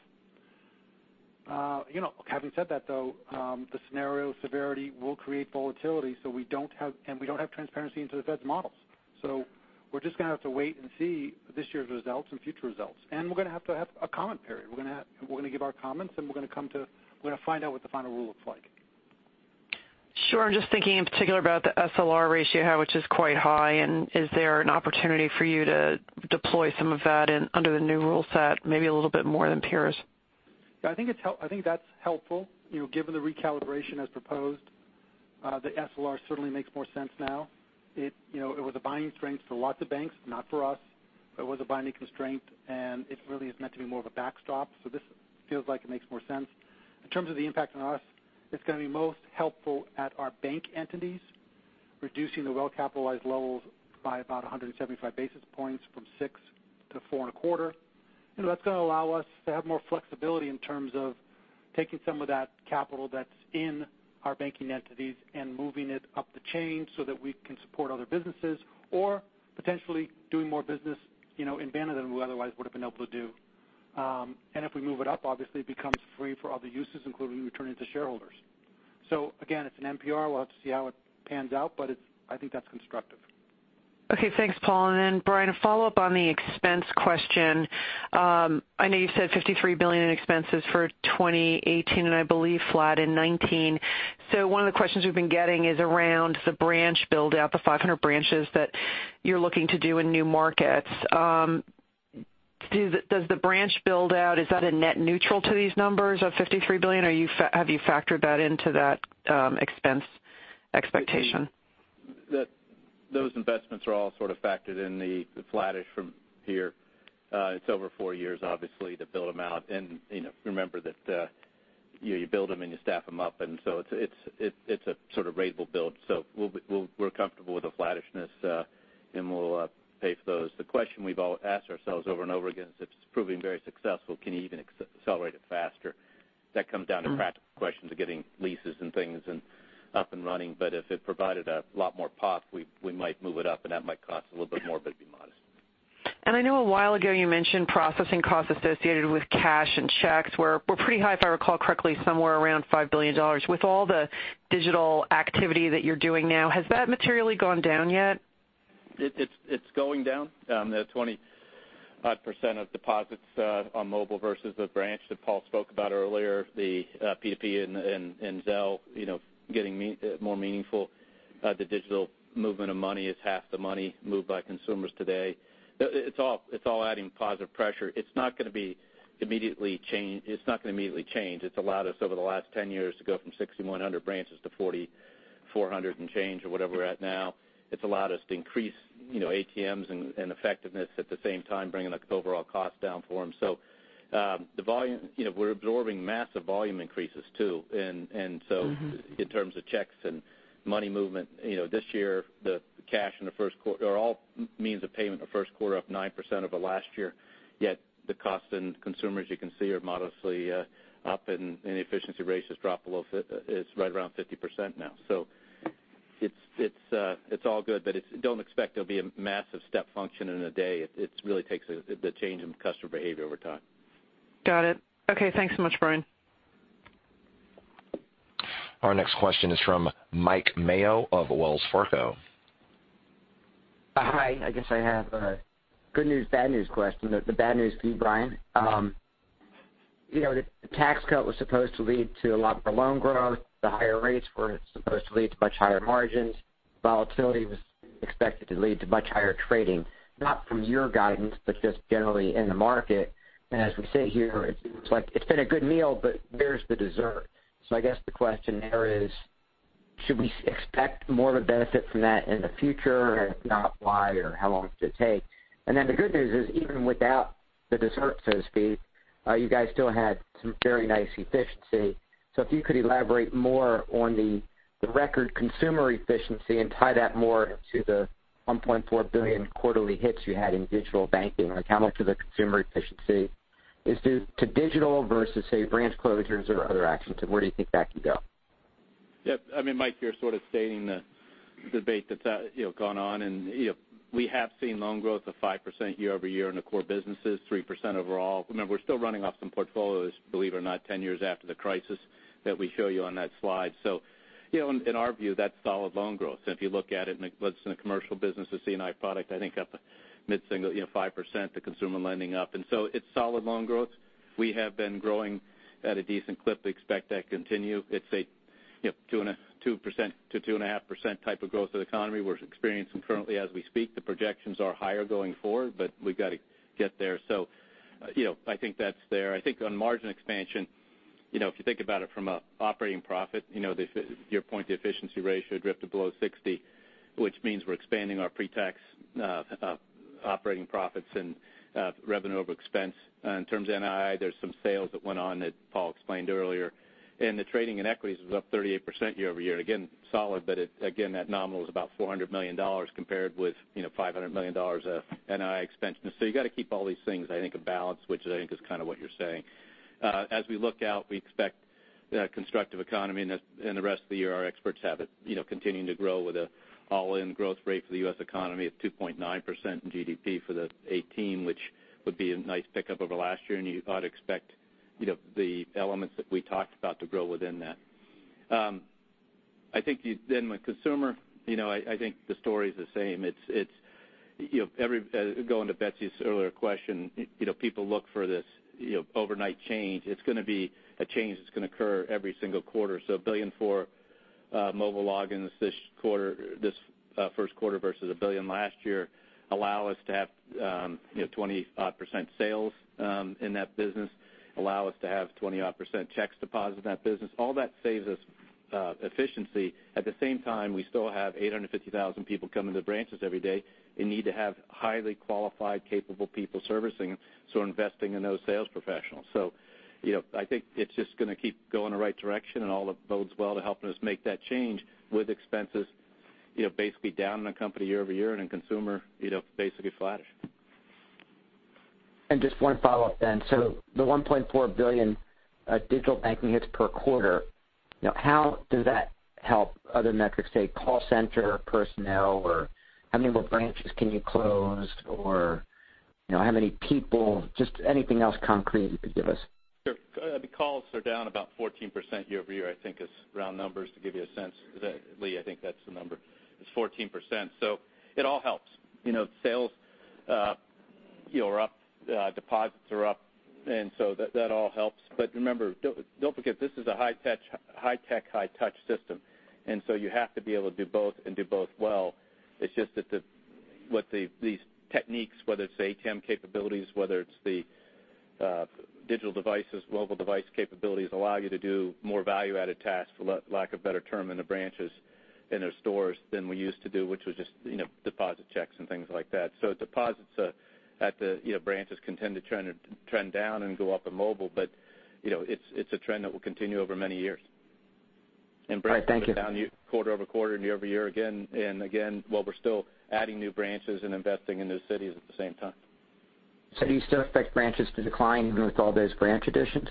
Having said that, though, the scenario severity will create volatility, and we don't have transparency into the Fed's models. We're just going to have to wait and see this year's results and future results. We're going to have to have a comment period. We're going to give our comments, and we're going to find out what the final rule looks like. Sure. I'm just thinking in particular about the SLR ratio, which is quite high, and is there an opportunity for you to deploy some of that under the new rule set, maybe a little bit more than peers? Yeah, I think that's helpful. Given the recalibration as proposed, the SLR certainly makes more sense now. It was a binding constraint for lots of banks, not for us, but it was a binding constraint, and it really is meant to be more of a backstop. This feels like it makes more sense. In terms of the impact on us, it's going to be most helpful at our bank entities, reducing the well-capitalized levels by about 175 basis points from six to four and a quarter. That's going to allow us to have more flexibility in terms of taking some of that capital that's in our banking entities and moving it up the chain so that we can support other businesses or potentially doing more business in banner than we otherwise would have been able to do. If we move it up, obviously, it becomes free for other uses, including returning to shareholders. Again, it's an NPR. We'll have to see how it pans out, but I think that's constructive. Okay. Thanks, Paul. Brian, a follow-up on the expense question. I know you've said $53 billion in expenses for 2018, and I believe flat in 2019. One of the questions we've been getting is around the branch build out, the 500 branches that you're looking to do in new markets. Does the branch build out, is that a net neutral to these numbers of $53 billion, or have you factored that into that expense expectation? Those investments are all sort of factored in the flattish from here. It's over four years, obviously, to build them out. Remember that you build them and you staff them up. It's a sort of ratable build. We're comfortable with the flattishness, and we'll pay for those. The question we've all asked ourselves over and over again is if it's proving very successful, can you even accelerate it faster? That comes down to practical questions of getting leases and things up and running. If it provided a lot more pop, we might move it up, and that might cost a little bit more, but it'd be modest. I know a while ago you mentioned processing costs associated with cash and checks were pretty high, if I recall correctly, somewhere around $5 billion. With all the digital activity that you're doing now, has that materially gone down yet? It's going down. The 25% of deposits on mobile versus the branch that Paul spoke about earlier, the P2P and Zelle getting more meaningful. The digital movement of money is half the money moved by consumers today. It's all adding positive pressure. It's not going to immediately change. It's allowed us over the last 10 years to go from 6,100 branches to 4,400 and change or whatever we're at now. It's allowed us to increase ATMs and effectiveness at the same time, bringing the overall cost down for them. We're absorbing massive volume increases, too. In terms of checks and money movement, this year, the cash in the first quarter, or all means of payment the first quarter up 9% over last year, yet the cost in consumers, you can see, are modestly up and the efficiency rate is right around 50% now. It's all good. Don't expect there'll be a massive step function in a day. It really takes the change in customer behavior over time. Got it. Okay, thanks so much, Brian. Our next question is from Mike Mayo of Wells Fargo. Hi. I guess I have a good news, bad news question. The bad news to you, Brian. The tax cut was supposed to lead to a lot more loan growth. The higher rates were supposed to lead to much higher margins. Volatility was expected to lead to much higher trading, not from your guidance, but just generally in the market. As we sit here, it's been a good meal, but where's the dessert? I guess the question there is, should we expect more of a benefit from that in the future? If not, why or how long does it take? Then the good news is, even without the dessert, so to speak, you guys still had some very nice efficiency. If you could elaborate more on the record consumer efficiency and tie that more to the $1.4 billion quarterly hits you had in digital banking. Like how much of the consumer efficiency is due to digital versus, say, branch closures or other actions? Where do you think that can go? Yep. Mike, you're sort of stating the debate that's gone on, we have seen loan growth of 5% year-over-year in the core businesses, 3% overall. Remember, we're still running off some portfolios, believe it or not, 10 years after the crisis that we show you on that slide. In our view, that's solid loan growth. If you look at it in the commercial businesses, C&I product, I think up a mid-single, 5%, the consumer lending up. It's solid loan growth. We have been growing at a decent clip. We expect that to continue. It's a 2%-2.5% type of growth of the economy we're experiencing currently as we speak. The projections are higher going forward, but we've got to get there. I think that's there. I think on margin expansion, if you think about it from an operating profit, your point, the efficiency ratio drifted below 60, which means we're expanding our pre-tax operating profits and revenue over expense. In terms of NII, there's some sales that went on that Paul explained earlier. The trading in equities was up 38% year-over-year. Again, solid, but again, that nominal is about $400 million compared with $500 million of NII expense. You got to keep all these things, I think, in balance, which I think is kind of what you're saying. As we look out, we expect a constructive economy in the rest of the year. Our experts have it continuing to grow with an all-in growth rate for the U.S. economy of 2.9% in GDP for 2018, which would be a nice pickup over last year. You ought to expect the elements that we talked about to grow within that. With Consumer Banking, I think the story's the same. Going to Betsy's earlier question, people look for this overnight change. It's going to be a change that's going to occur every single quarter. 1 billion for mobile logins this first quarter versus 1 billion last year allow us to have 25% sales in that business, allow us to have 20-odd% checks deposit in that business. All that saves us efficiency. At the same time, we still have 850,000 people come into the branches every day and need to have highly qualified, capable people servicing them, so investing in those sales professionals. I think it's just going to keep going in the right direction, and all bodes well to helping us make that change with expenses basically down in the company year-over-year and in Consumer Banking, basically flattish. Just 1 follow-up then. The $1.4 billion digital banking hits per quarter, how does that help other metrics, say, call center personnel? How many more branches can you close? How many people, just anything else concrete you could give us? Sure. The calls are down about 14% year-over-year, I think is round numbers to give you a sense. Lee, I think that's the number, is 14%. It all helps. Sales are up, deposits are up, that all helps. Remember, don't forget, this is a high-tech, high-touch system, you have to be able to do both and do both well. It's just that these techniques, whether it's ATM capabilities, whether it's the digital devices, mobile device capabilities, allow you to do more value-added tasks, for lack of a better term, in the branches, in their stores than we used to do, which was just deposit checks and things like that. Deposits at the branches continue to trend down and go up in mobile, it's a trend that will continue over many years. All right. Thank you. Branches down quarter-over-quarter and year-over-year again, while we're still adding new branches and investing in new cities at the same time. Do you still expect branches to decline even with all those branch additions?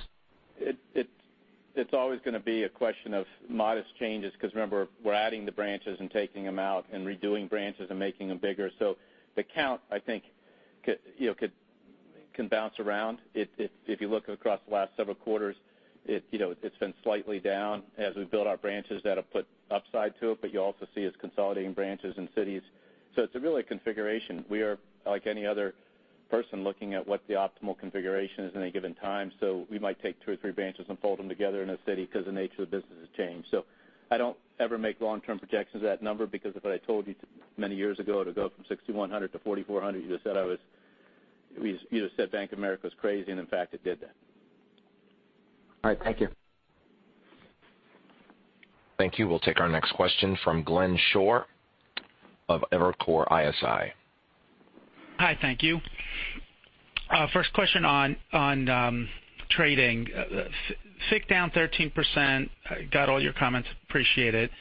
It's always going to be a question of modest changes because remember, we're adding the branches and taking them out and redoing branches and making them bigger. The count, I think, can bounce around. If you look across the last several quarters, it's been slightly down. As we build our branches, that'll put upside to it. You also see us consolidating branches in cities. It's really a configuration. We are, like any other person, looking at what the optimal configuration is in any given time. We might take two or three branches and fold them together in a city because the nature of the business has changed. I don't ever make long-term projections of that number because if I told you many years ago it'll go from 6,100 to 4,400, you'd have said Bank of America was crazy, and in fact, it did that. All right. Thank you. Thank you. We'll take our next question from Glenn Schorr of Evercore ISI. Hi, thank you. First question on trading. FICC down 13%. Got all your comments, appreciate it.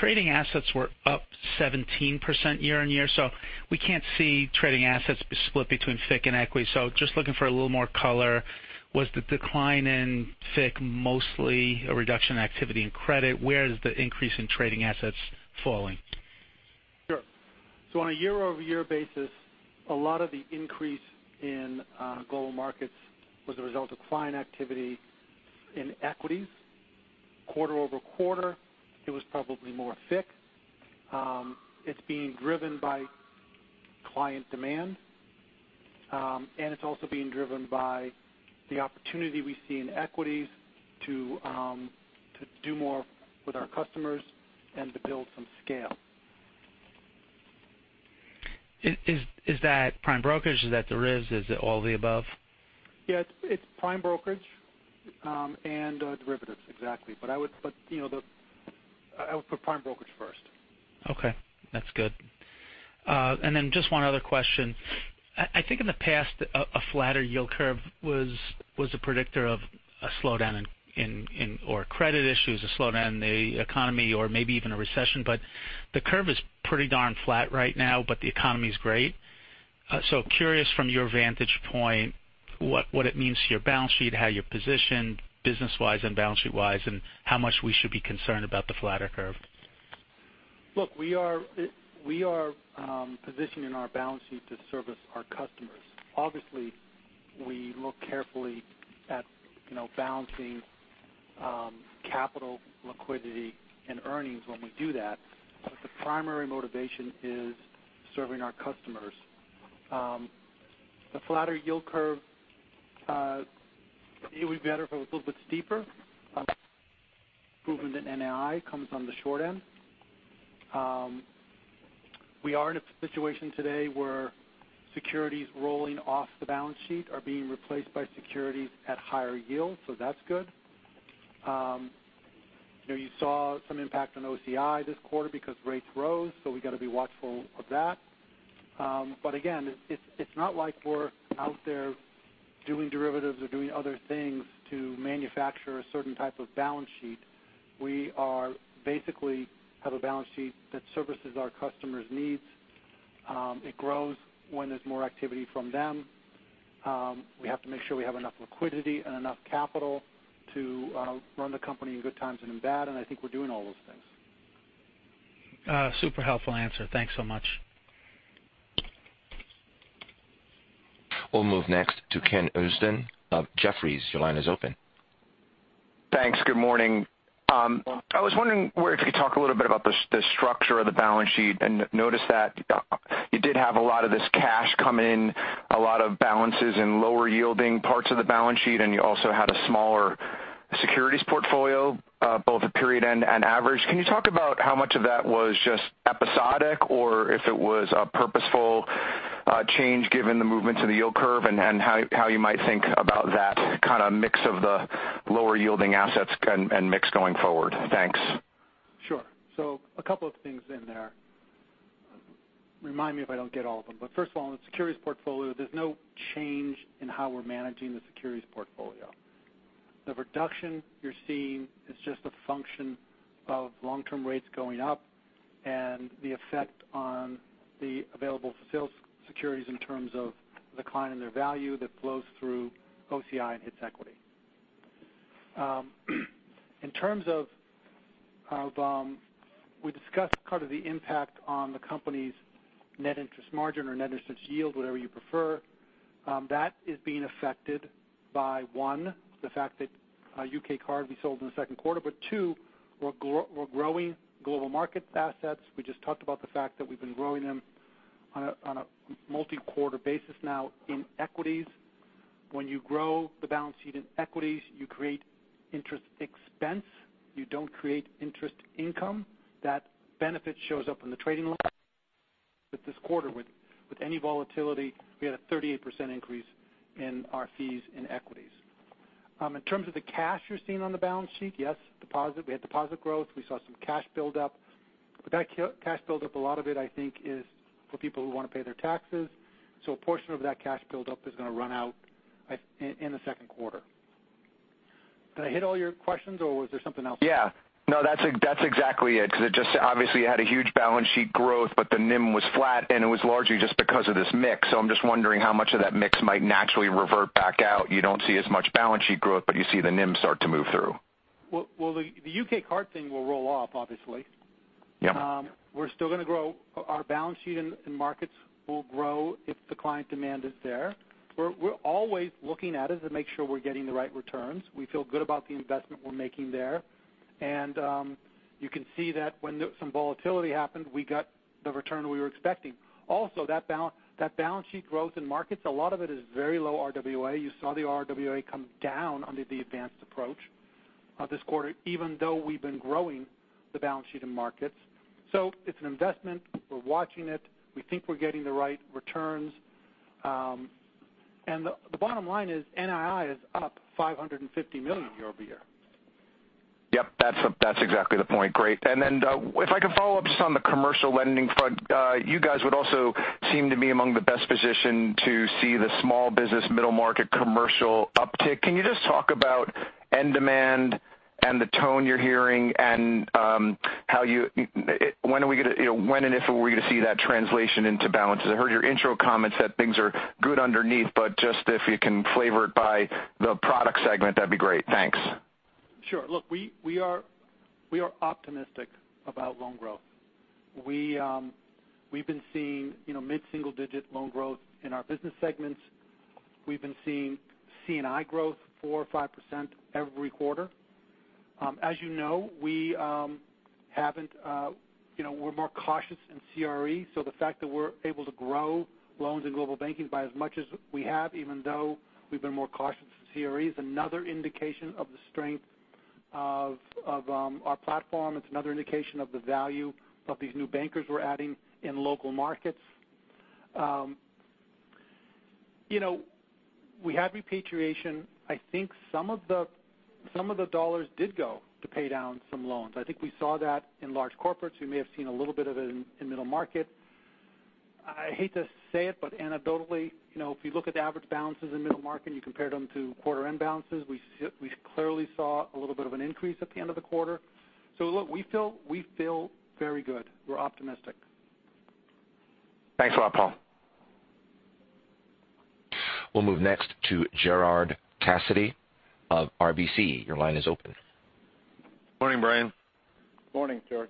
Trading assets were up 17% year-over-year. We can't see trading assets split between FICC and equity. Just looking for a little more color. Was the decline in FICC mostly a reduction in activity in credit? Where is the increase in trading assets falling? Sure. On a year-over-year basis, a lot of the increase in Global Markets was a result of client activity in equities. Quarter-over-quarter, it was probably more fixed. It's being driven by client demand, and it's also being driven by the opportunity we see in equities to do more with our customers and to build some scale. Is that prime brokerage? Is that derivatives? Is it all the above? Yeah. It's prime brokerage and derivatives. Exactly. I would put prime brokerage first. Okay. That's good. Just one other question. I think in the past, a flatter yield curve was a predictor of a slowdown in, or credit issues, a slowdown in the economy or maybe even a recession. The curve is pretty darn flat right now, but the economy's great. Curious from your vantage point, what it means to your balance sheet, how you're positioned business-wise and balance sheet-wise, and how much we should be concerned about the flatter curve. We are positioning our balance sheet to service our customers. We look carefully at balancing capital liquidity and earnings when we do that. The primary motivation is serving our customers. The flatter yield curve, it would be better if it was a little bit steeper. Improvement in NAI comes on the short end. We are in a situation today where securities rolling off the balance sheet are being replaced by securities at higher yields. That's good. You saw some impact on OCI this quarter because rates rose, we got to be watchful of that. Again, it's not like we're out there doing derivatives or doing other things to manufacture a certain type of balance sheet. We basically have a balance sheet that services our customers' needs. It grows when there's more activity from them. We have to make sure we have enough liquidity and enough capital to run the company in good times and in bad. I think we're doing all those things. Super helpful answer. Thanks so much. We'll move next to Kenneth Usdin of Jefferies. Your line is open. Thanks. Good morning. I was wondering if you could talk a little bit about the structure of the balance sheet. Noticed that you did have a lot of this cash come in, a lot of balances in lower-yielding parts of the balance sheet, and you also had a smaller securities portfolio, both at period-end and average. Can you talk about how much of that was just episodic or if it was a purposeful change given the movement to the yield curve, and how you might think about that kind of mix of the lower-yielding assets and mix going forward? Thanks. Sure. A couple of things in there. Remind me if I don't get all of them. First of all, in the securities portfolio, there's no change in how we're managing the securities portfolio. The reduction you're seeing is just a function of long-term rates going up and the effect on the available for sale securities in terms of decline in their value that flows through OCI and hits equity. We discussed kind of the impact on the company's net interest margin or net interest yield, whatever you prefer. That is being affected by, one, the fact that UK Card we sold in the second quarter. Two, we're growing global market assets. We just talked about the fact that we've been growing them on a multi-quarter basis now in equities. When you grow the balance sheet in equities, you create interest expense. You don't create interest income. That benefit shows up in the trading loss. This quarter, with any volatility, we had a 38% increase in our fees in equities. In terms of the cash you're seeing on the balance sheet, yes, we had deposit growth. We saw some cash build-up. That cash build-up, a lot of it, I think, is for people who want to pay their taxes. A portion of that cash build-up is going to run out in the second quarter. Did I hit all your questions or was there something else? Yeah. No, that's exactly it. It just obviously had a huge balance sheet growth, the NIM was flat, and it was largely just because of this mix. I'm just wondering how much of that mix might naturally revert back out. You don't see as much balance sheet growth, you see the NIM start to move through. Well, the UK Card thing will roll off, obviously. Yeah. We're still going to grow. Our balance sheet in markets will grow if the client demand is there. We're always looking at it to make sure we're getting the right returns. We feel good about the investment we're making there. You can see that when some volatility happened, we got the return we were expecting. Also, that balance sheet growth in markets, a lot of it is very low RWA. You saw the RWA come down under the advanced approach this quarter, even though we've been growing the balance sheet in markets. It's an investment. We're watching it. We think we're getting the right returns. The bottom line is NII is up $550 million year-over-year. Yep, that's exactly the point. Great. If I can follow up just on the commercial lending front. You guys would also seem to be among the best positioned to see the small business middle market commercial uptick. Can you just talk about end demand and the tone you're hearing and when and if we're going to see that translation into balances? I heard your intro comments that things are good underneath, but just if you can flavor it by the product segment, that'd be great. Thanks. Sure. Look, we are optimistic about loan growth. We've been seeing mid-single digit loan growth in our business segments. We've been seeing C&I growth 4% or 5% every quarter. As you know, we're more cautious in CRE, so the fact that we're able to grow loans in Global Banking by as much as we have, even though we've been more cautious in CRE, is another indication of the strength of our platform. It's another indication of the value of these new bankers we're adding in local markets. We had repatriation. I think some of the dollars did go to pay down some loans. I think we saw that in large corporates. We may have seen a little bit of it in middle market. I hate to say it, but anecdotally, if you look at the average balances in middle market and you compare them to quarter-end balances, we clearly saw a little bit of an increase at the end of the quarter. Look, we feel very good. We're optimistic. Thanks a lot, Paul. We'll move next to Gerard Cassidy of RBC. Your line is open. Morning, Brian. Morning, Gerard.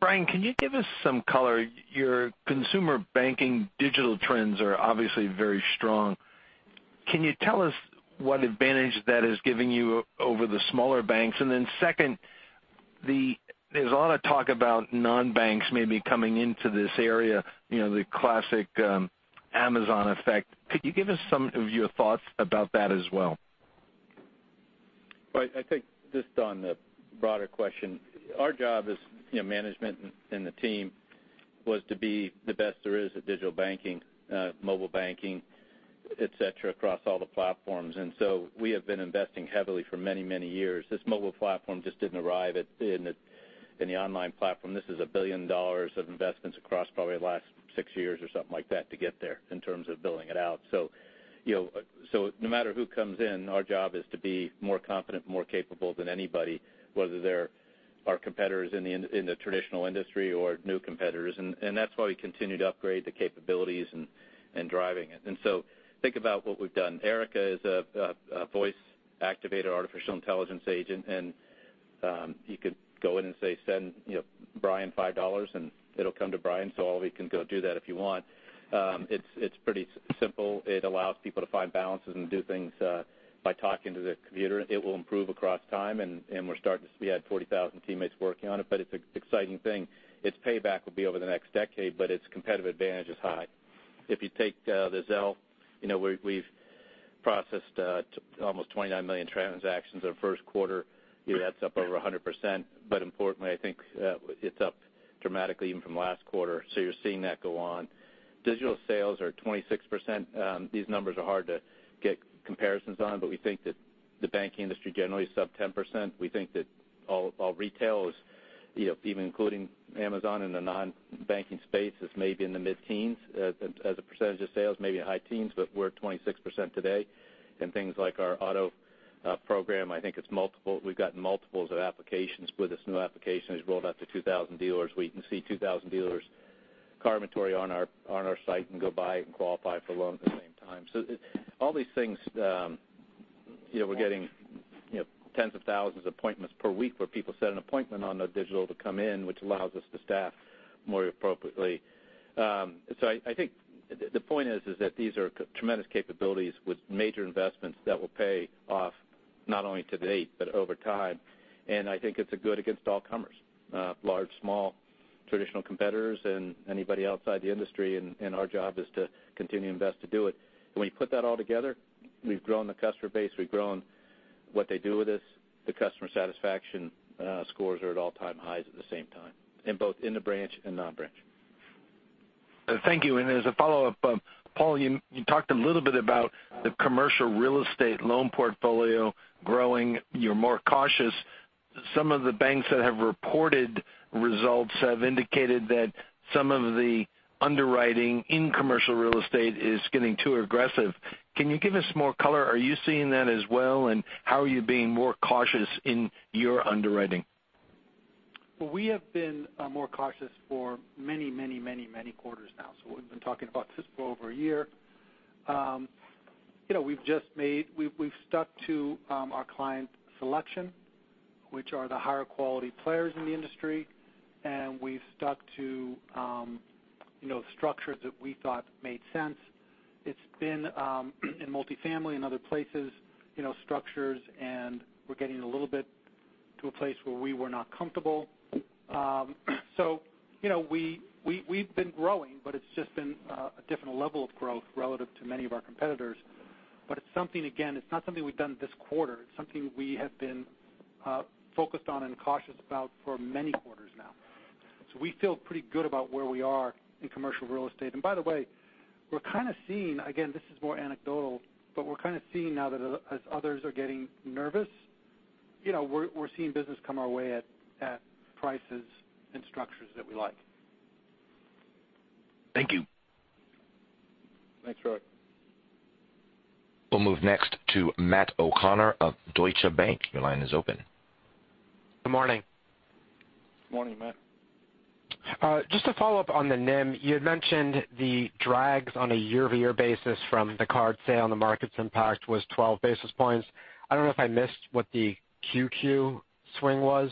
Brian, can you give us some color? Your Consumer Banking digital trends are obviously very strong. Can you tell us what advantage that is giving you over the smaller banks? Second, there's a lot of talk about non-banks maybe coming into this area, the classic Amazon effect. Could you give us some of your thoughts about that as well? I think just on the broader question, our job as management and the team was to be the best there is at digital banking, mobile banking, et cetera, across all the platforms. We have been investing heavily for many years. This mobile platform just didn't arrive in the online platform. This is $1 billion of investments across probably the last six years or something like that to get there in terms of building it out. No matter who comes in, our job is to be more competent, more capable than anybody, whether they're our competitors in the traditional industry or new competitors. That's why we continue to upgrade the capabilities and driving it. Think about what we've done. Erica is a voice-activated artificial intelligence agent, and you could go in and say, "Send Brian $5," and it'll come to Brian. All of you can go do that if you want. It's pretty simple. It allows people to find balances and do things by talking to the computer. It will improve across time, and we had (40,000) teammates working on it, but it's an exciting thing. Its payback will be over the next decade, but its competitive advantage is high. If you take the Zelle, we've processed almost 29 million transactions our first quarter. That's up over 100%, but importantly, I think it's up dramatically even from last quarter. You're seeing that go on. Digital sales are 26%. These numbers are hard to get comparisons on, but we think that the banking industry generally is sub 10%. We think that all retail is, even including Amazon in the non-banking space, is maybe in the mid-teens as a percentage of sales, maybe in high teens, but we're at 26% today. Things like our auto program, I think we've gotten multiples of applications with this new application as rolled out to 2,000 dealers, where you can see 2,000 dealers' car inventory on our site and go buy it and qualify for a loan at the same time. All these things, we're getting tens of thousands of appointments per week where people set an appointment on the digital to come in, which allows us to staff more appropriately. I think the point is that these are tremendous capabilities with major investments that will pay off not only to date, but over time. I think it's good against all comers. Large, small, traditional competitors, and anybody outside the industry, and our job is to continue to invest to do it. When you put that all together, we've grown the customer base. We've grown what they do with us. The customer satisfaction scores are at all-time highs at the same time, in both in the branch and non-branch. Thank you. As a follow-up, Paul, you talked a little bit about the commercial real estate loan portfolio growing. You're more cautious. Some of the banks that have reported results have indicated that some of the underwriting in commercial real estate is getting too aggressive. Can you give us more color? Are you seeing that as well, and how are you being more cautious in your underwriting? We have been more cautious for many quarters now. We've been talking about this for over a year. We've stuck to our client selection, which are the higher quality players in the industry, and we've stuck to structures that we thought made sense. It's been in multifamily and other places, structures, and we're getting a little bit to a place where we were not comfortable. We've been growing, but it's just been a different level of growth relative to many of our competitors. Again, it's not something we've done this quarter. It's something we have been focused on and cautious about for many quarters now. We feel pretty good about where we are in commercial real estate. By the way, we're kind of seeing, again, this is more anecdotal, but we're kind of seeing now that as others are getting nervous, we're seeing business come our way at prices and structures that we like. Thank you. Thanks, Gerard. We'll move next to Matt O'Connor of Deutsche Bank. Your line is open. Good morning. Morning, Matt. Just to follow up on the NIM, you had mentioned the drags on a year-over-year basis from the card sale and the markets impact was 12 basis points. I don't know if I missed what the Q2 swing was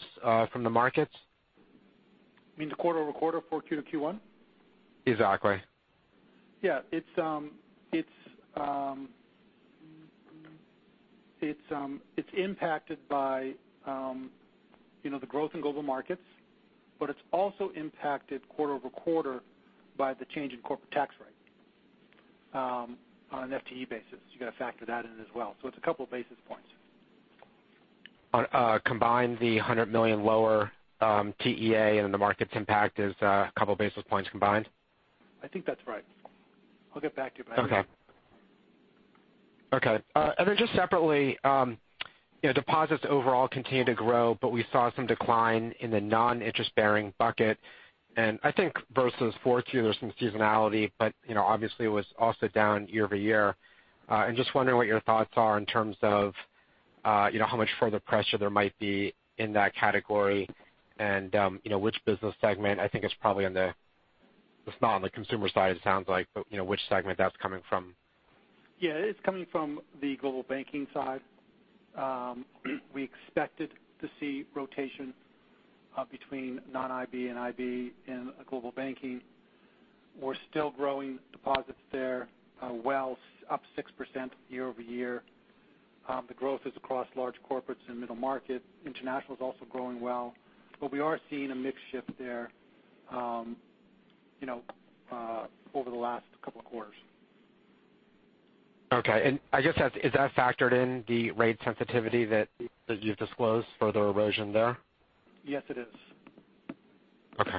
from the markets? You mean the quarter-over-quarter, 4Q to Q1? Exactly. Yeah. It's impacted by the growth in Global Markets, but it's also impacted quarter-over-quarter by the change in corporate tax rate on an FTE basis. You got to factor that in as well. It's a couple of basis points. Combined, the $100 million lower TEA and the Global Markets impact is a couple of basis points combined? I think that's right. I'll get back to you. Okay. Just separately, deposits overall continue to grow, but we saw some decline in the non-interest bearing bucket. I think versus 4Q, there's some seasonality, but obviously it was also down year-over-year. I'm just wondering what your thoughts are in terms of how much further pressure there might be in that category and which business segment. It's not on the consumer side, it sounds like, but which segment that's coming from. Yeah. It's coming from the Global Banking side. We expected to see rotation between non-IB and IB in Global Banking. We're still growing deposits there, well up 6% year-over-year. The growth is across large corporates and middle market. International is also growing well. We are seeing a mix shift there over the last couple of quarters. Okay. I guess, is that factored in the rate sensitivity that you've disclosed, further erosion there? Yes, it is. Okay.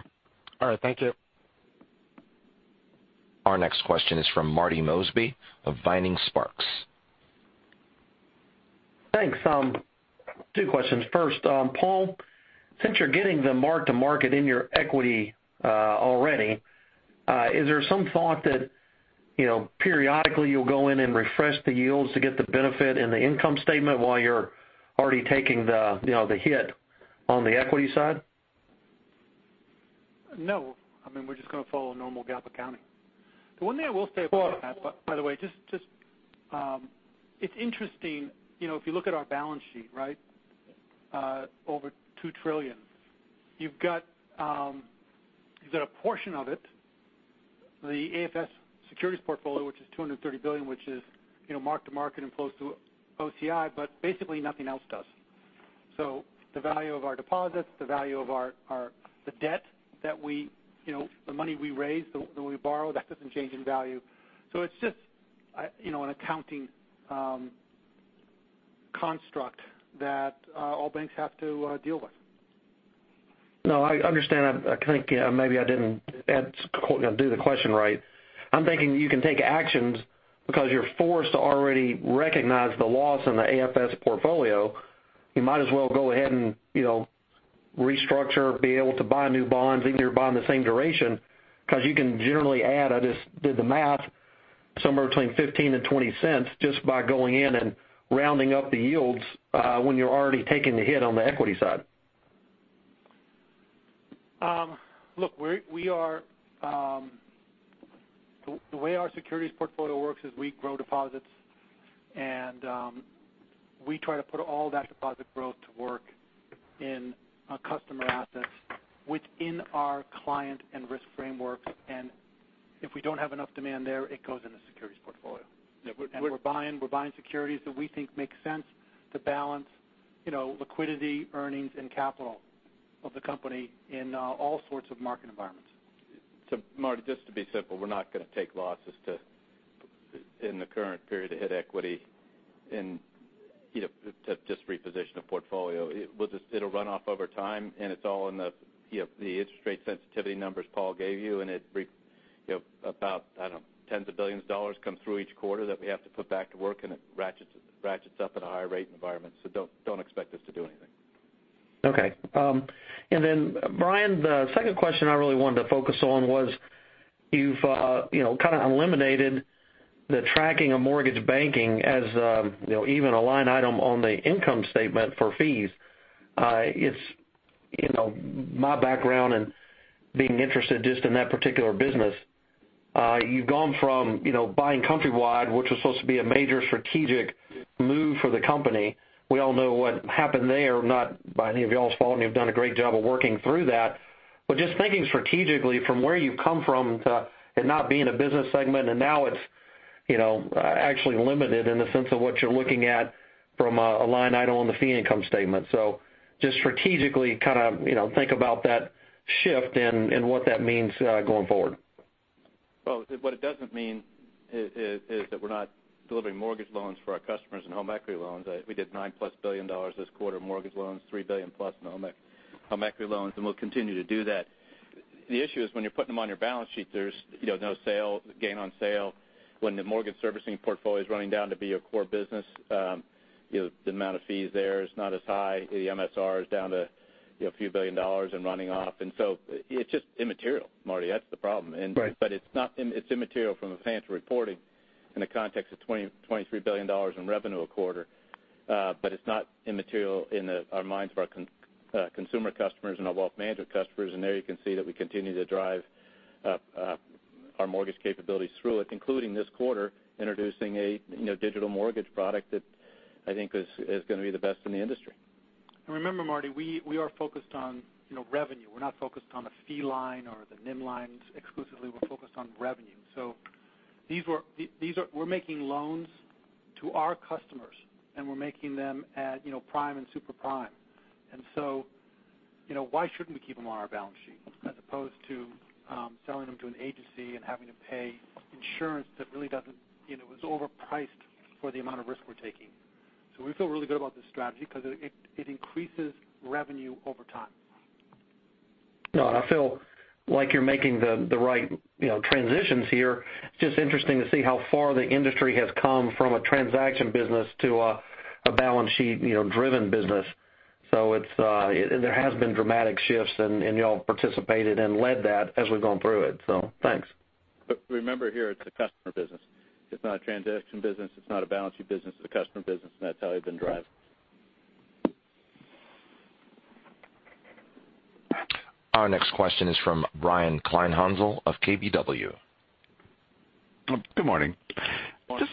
All right. Thank you. Our next question is from Marty Mosby of Vining Sparks. Thanks. Two questions. First, Paul, since you're getting the mark-to-market in your equity already, is there some thought that periodically you'll go in and refresh the yields to get the benefit in the income statement while you're already taking the hit on the equity side? No. I mean, we're just going to follow normal GAAP accounting. The one thing I will say about that, by the way, it's interesting if you look at our balance sheet, over $2 trillion. You've got a portion of it, the AFS securities portfolio, which is $230 billion, which is mark-to-market and close to OCI, but basically nothing else does. The value of our deposits, the value of the debt, the money we raise, that we borrow, that doesn't change in value. It's just an accounting construct that all banks have to deal with. No, I understand. I think maybe I didn't do the question right. I'm thinking you can take actions because you're forced to already recognize the loss on the AFS portfolio. You might as well go ahead and restructure, be able to buy new bonds, even if you're buying the same duration, because you can generally add, I just did the math, somewhere between $0.15 and $0.20 just by going in and rounding up the yields when you're already taking the hit on the equity side. Look, the way our securities portfolio works is we grow deposits, and we try to put all that deposit growth to work in customer assets within our client and risk frameworks. If we don't have enough demand there, it goes in the securities portfolio. We're buying securities that we think make sense to balance liquidity, earnings, and capital of the company in all sorts of market environments. Marty, just to be simple, we're not going to take losses in the current period to hit equity and to just reposition a portfolio. It'll run off over time, and it's all in the interest rate sensitivity numbers Paul gave you. About tens of billions of dollars come through each quarter that we have to put back to work, and it ratchets up at a higher rate environment. Don't expect us to do anything. Okay. Brian, the second question I really wanted to focus on was you've kind of eliminated the tracking of mortgage banking as even a line item on the income statement for fees. My background and being interested just in that particular business, you've gone from buying Countrywide, which was supposed to be a major strategic move for the company. We all know what happened there, not by any of y'all's fault, and you've done a great job of working through that. Just thinking strategically from where you've come from to it not being a business segment, and now it's actually limited in the sense of what you're looking at from a line item on the fee income statement. Just strategically think about that shift and what that means going forward. Well, what it doesn't mean is that we're not delivering mortgage loans for our customers and home equity loans. We did $9 billion-plus this quarter in mortgage loans, $3 billion-plus in home equity loans, and we'll continue to do that. The issue is when you're putting them on your balance sheet, there's no gain on sale. When the mortgage servicing portfolio is running down to be a core business, the amount of fees there is not as high. The MSR is down to a few billion dollars and running off. It's just immaterial, Marty. That's the problem. Right. It's immaterial from a financial reporting in the context of $23 billion in revenue a quarter, but it's not immaterial in our minds for our consumer customers and our Wealth Management customers. There you can see that we continue to drive our mortgage capabilities through it, including this quarter introducing a digital mortgage product that I think is going to be the best in the industry. Remember, Marty, we are focused on revenue. We're not focused on the fee line or the NIM lines exclusively. We're focused on revenue. We're making loans to our customers, and we're making them at prime and super prime. Why shouldn't we keep them on our balance sheet as opposed to selling them to an agency and having to pay insurance that really is overpriced for the amount of risk we're taking? We feel really good about this strategy because it increases revenue over time. I feel like you're making the right transitions here. It's just interesting to see how far the industry has come from a transaction business to a balance sheet-driven business. There has been dramatic shifts, and you all participated and led that as we've gone through it. Thanks. remember here, it's a customer business. It's not a transaction business, it's not a balance sheet business. It's a customer business, and that's how we've been driving. Our next question is from Brian Kleinhanzl of KBW. Good morning. Morning. Just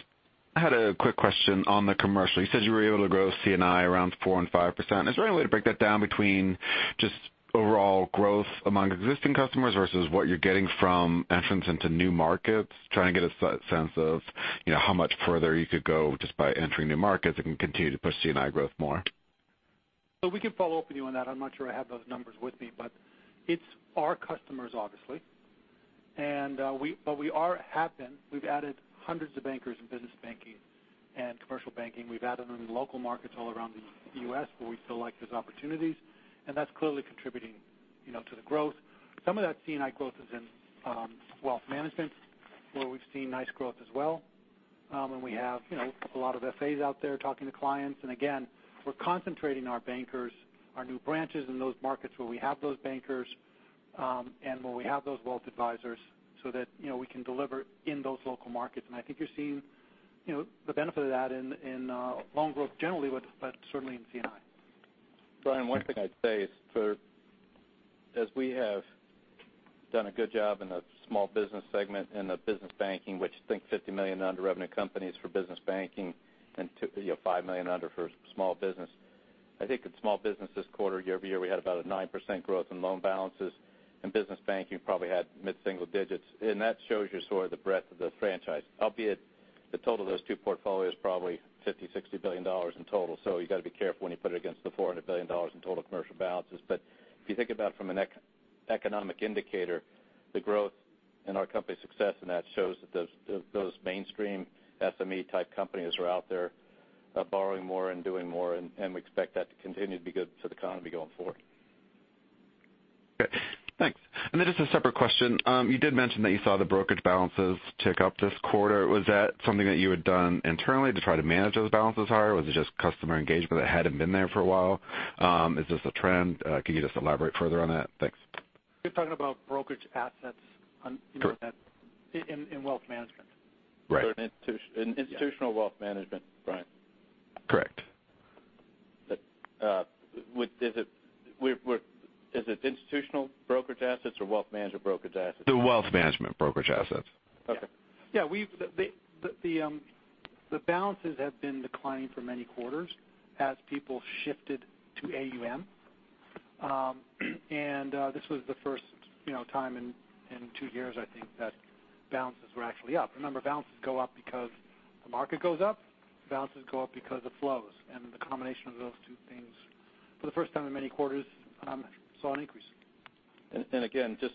had a quick question on the commercial. You said you were able to grow C&I around 4%-5%. Is there any way to break that down between just overall growth among existing customers versus what you're getting from entrance into new markets? Trying to get a sense of how much further you could go just by entering new markets and can continue to push C&I growth more. We can follow up with you on that. I'm not sure I have those numbers with me. It's our customers, obviously. We've added hundreds of bankers in business banking and commercial banking. We've added them in local markets all around the U.S. where we feel like there's opportunities, and that's clearly contributing to the growth. Some of that C&I growth is in Wealth Management, where we've seen nice growth as well. We have a lot of FAs out there talking to clients. Again, we're concentrating our bankers, our new branches in those markets where we have those bankers, and where we have those wealth advisors so that we can deliver in those local markets. I think you're seeing the benefit of that in loan growth generally, but certainly in C&I. Brian, one thing I'd say is as we have done a good job in the small business segment, in the business banking, which think $50 million under revenue companies for business banking and $5 million under for small business. I think in small business this quarter year-over-year, we had about a 9% growth in loan balances. In business banking, we probably had mid-single digits. That shows you sort of the breadth of the franchise. Albeit the total of those two portfolios, probably $50 billion-$60 billion in total. You got to be careful when you put it against the $400 billion in total commercial balances. If you think about from an economic indicator, the growth and our company's success in that shows that those mainstream SME-type companies are out there borrowing more and doing more, and we expect that to continue to be good for the economy going forward. Okay, thanks. Just a separate question. You did mention that you saw the brokerage balances tick up this quarter. Was that something that you had done internally to try to manage those balances higher, or was it just customer engagement that hadn't been there for a while? Is this a trend? Can you just elaborate further on that? Thanks. You're talking about brokerage assets- Correct in Wealth Management. Right. In institutional Wealth Management, Brian. Correct. Is it institutional brokerage assets or wealth manager brokerage assets? The wealth management brokerage assets. Okay. Yeah. The balances have been declining for many quarters as people shifted to AUM. This was the first time in two years, I think, that balances were actually up. Remember, balances go up because the market goes up. Balances go up because of flows. The combination of those two things, for the first time in many quarters, saw an increase. Again, just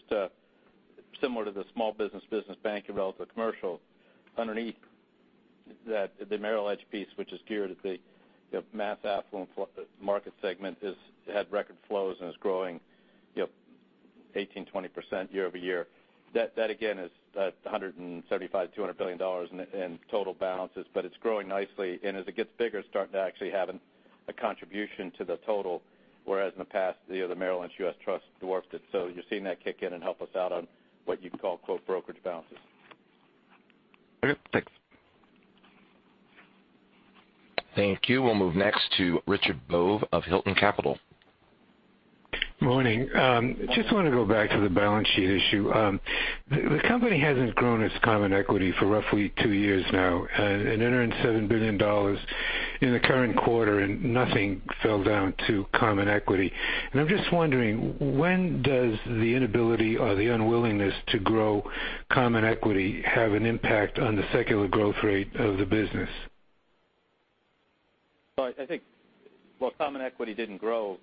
similar to the small business banking relative to commercial. Underneath that, the Merrill Edge piece, which is geared at the mass affluent market segment, has had record flows and is growing 18%, 20% year-over-year. That again is $175, $200 billion in total balances, but it's growing nicely. As it gets bigger, it's starting to actually have a contribution to the total, whereas in the past, the Merrill Lynch U.S. Trust dwarfed it. You're seeing that kick in and help us out on what you'd call, quote, "brokerage balances. Okay, thanks. Thank you. We'll move next to Richard Bove of Hilton Capital. Morning. Just want to go back to the balance sheet issue. The company hasn't grown its common equity for roughly two years now. It earned $7 billion in the current quarter, and nothing fell down to common equity. I'm just wondering, when does the inability or the unwillingness to grow common equity have an impact on the secular growth rate of the business? Well, I think while common equity didn't grow,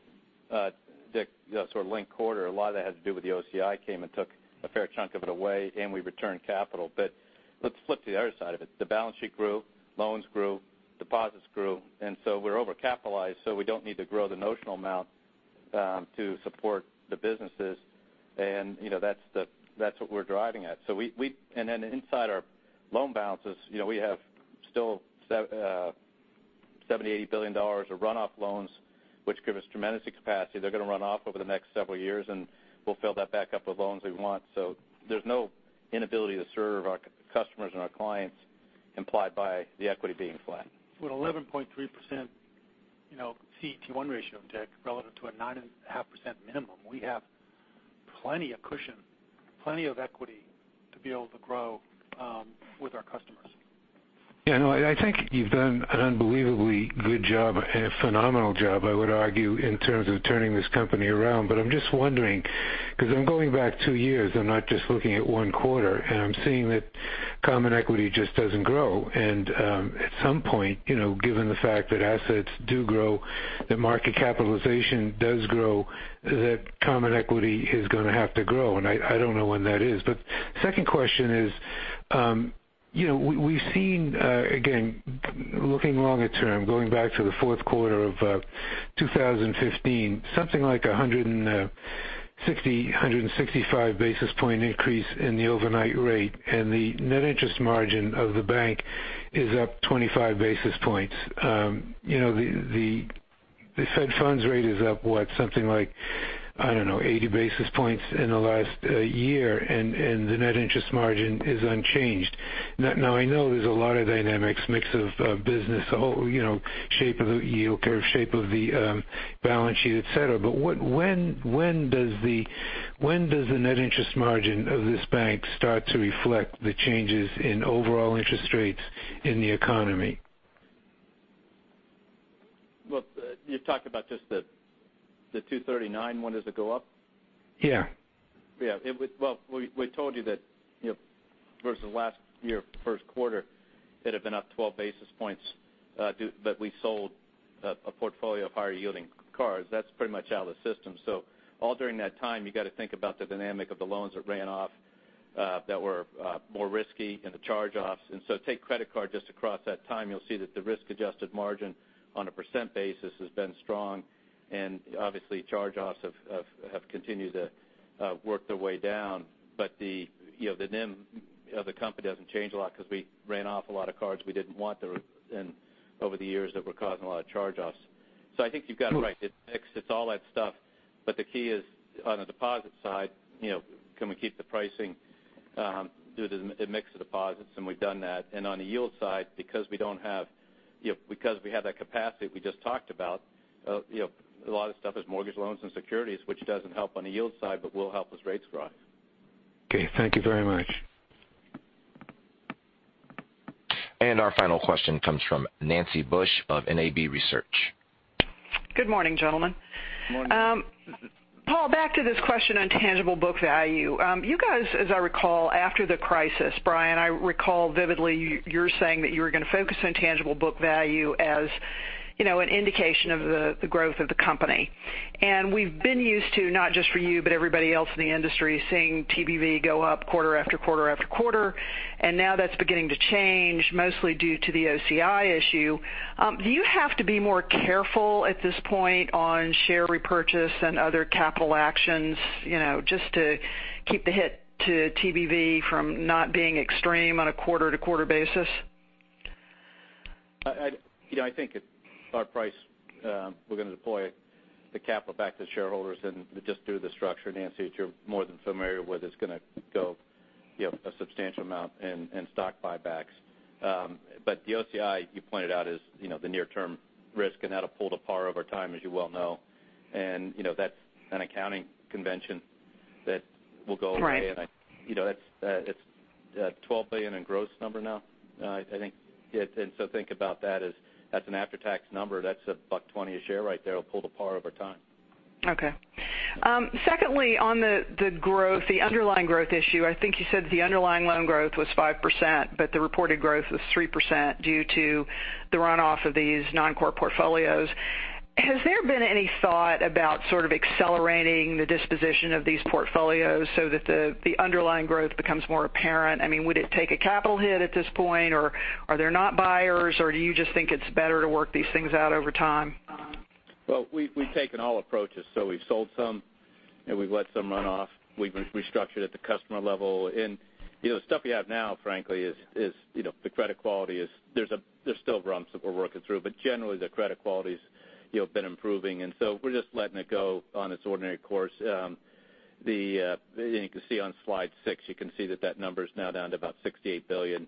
Dick, sort of linked quarter, a lot of that had to do with the OCI came and took a fair chunk of it away, and we returned capital. Let's flip to the other side of it. The balance sheet grew, loans grew, deposits grew, and so we're overcapitalized, so we don't need to grow the notional amount to support the businesses. That's what we're driving at. Inside our loan balances, we have still $78 billion of runoff loans, which give us tremendous capacity. They're going to run off over the next several years, and we'll fill that back up with loans we want. There's no inability to serve our customers and our clients implied by the equity being flat. With 11.3% CET1 ratio, Dick, relative to a 9.5% minimum, we have plenty of cushion, plenty of equity to be able to grow with our customers. Yeah, no, I think you've done an unbelievably good job, a phenomenal job, I would argue, in terms of turning this company around. I'm just wondering, because I'm going back two years, I'm not just looking at one quarter, and I'm seeing that common equity just doesn't grow. At some point, given the fact that assets do grow, that market capitalization does grow, that common equity is going to have to grow. I don't know when that is. Second question is, we've seen, again, looking longer term, going back to the fourth quarter of 2015, something like 160, 165 basis point increase in the overnight rate. The net interest margin of the bank is up 25 basis points. The Fed funds rate is up, what? Something like, I don't know, 80 basis points in the last year, and the net interest margin is unchanged. I know there's a lot of dynamics, mix of business, shape of the yield curve, shape of the balance sheet, et cetera. When does the net interest margin of this bank start to reflect the changes in overall interest rates in the economy? You talked about just the 239. When does it go up? Yeah. We told you that versus last year, first quarter, it had been up 12 basis points. We sold a portfolio of higher-yielding cards. That's pretty much out of the system. All during that time, you got to think about the dynamic of the loans that ran off that were more risky and the charge-offs. Take credit card just across that time, you'll see that the risk-adjusted margin on a percent basis has been strong, and obviously, charge-offs have continued to work their way down. The NIM of the company doesn't change a lot because we ran off a lot of cards we didn't want over the years that were causing a lot of charge-offs. I think you've got it right. It's mix, it's all that stuff. The key is, on the deposit side, can we keep the pricing due to the mix of deposits? We've done that. On the yield side, because we have that capacity we just talked about, a lot of stuff is mortgage loans and securities, which doesn't help on the yield side but will help as rates grow. Okay. Thank you very much. Our final question comes from Nancy Bush of NAB Research. Good morning, gentlemen. Morning. Paul, back to this question on tangible book value. You guys, as I recall, after the crisis, Brian, I recall vividly you're saying that you were going to focus on tangible book value as an indication of the growth of the company. We've been used to, not just for you, but everybody else in the industry, seeing TBV go up quarter after quarter after quarter. Now that's beginning to change, mostly due to the OCI issue. Do you have to be more careful at this point on share repurchase and other capital actions, just to keep the hit to TBV from not being extreme on a quarter-to-quarter basis? I think at our price, we're going to deploy the capital back to shareholders and just do the structure, Nancy, that you're more than familiar with. It's going to go a substantial amount in stock buybacks. The OCI you pointed out is the near-term risk and that'll pull to par over time, as you well know. That's an accounting convention that will go away. Right. It's a $12 billion in gross number now, I think. Think about that as an after-tax number. That's a $1.20 a share right there that'll pull to par over time. Okay. Secondly, on the growth, the underlying growth issue, I think you said the underlying loan growth was 5%. The reported growth was 3% due to the runoff of these non-core portfolios. Has there been any thought about sort of accelerating the disposition of these portfolios so that the underlying growth becomes more apparent? Would it take a capital hit at this point, or are there not buyers, or do you just think it's better to work these things out over time? We've taken all approaches. We've sold some, and we've let some run off. We've restructured at the customer level. The stuff you have now, frankly, the credit quality is there's still bumps that we're working through, but generally, the credit quality's been improving. We're just letting it go on its ordinary course. You can see on slide six that that number's now down to about $68 billion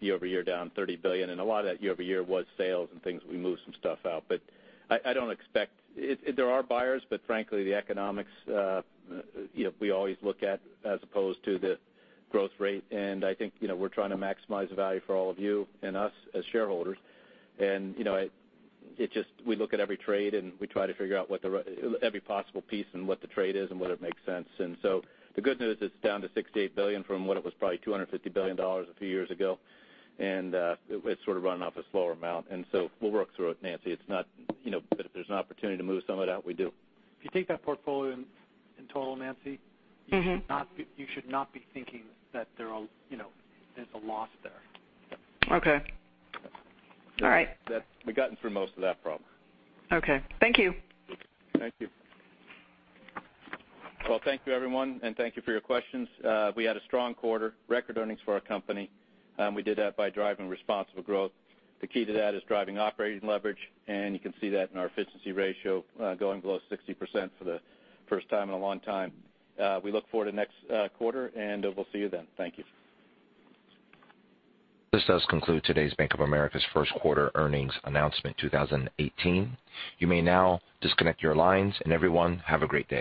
year-over-year, down $30 billion. A lot of that year-over-year was sales and things where we moved some stuff out. There are buyers, but frankly, the economics we always look at as opposed to the growth rate. I think we're trying to maximize the value for all of you and us as shareholders. We look at every trade, and we try to figure out every possible piece and what the trade is and whether it makes sense. The good news, it's down to $68 billion from what it was probably $250 billion a few years ago, and it's sort of run off a slower amount. We'll work through it, Nancy. If there's an opportunity to move some of it out, we do. If you take that portfolio in total, Nancy. You should not be thinking that there's a loss there. Okay. All right. We've gotten through most of that problem. Okay. Thank you. Thank you. Well, thank you, everyone, and thank you for your questions. We had a strong quarter, record earnings for our company. We did that by driving responsible growth. The key to that is driving operating leverage, and you can see that in our efficiency ratio going below 60% for the first time in a long time. We look forward to next quarter, and we'll see you then. Thank you. This does conclude today's Bank of America's first quarter earnings announcement 2018. You may now disconnect your lines. Everyone, have a great day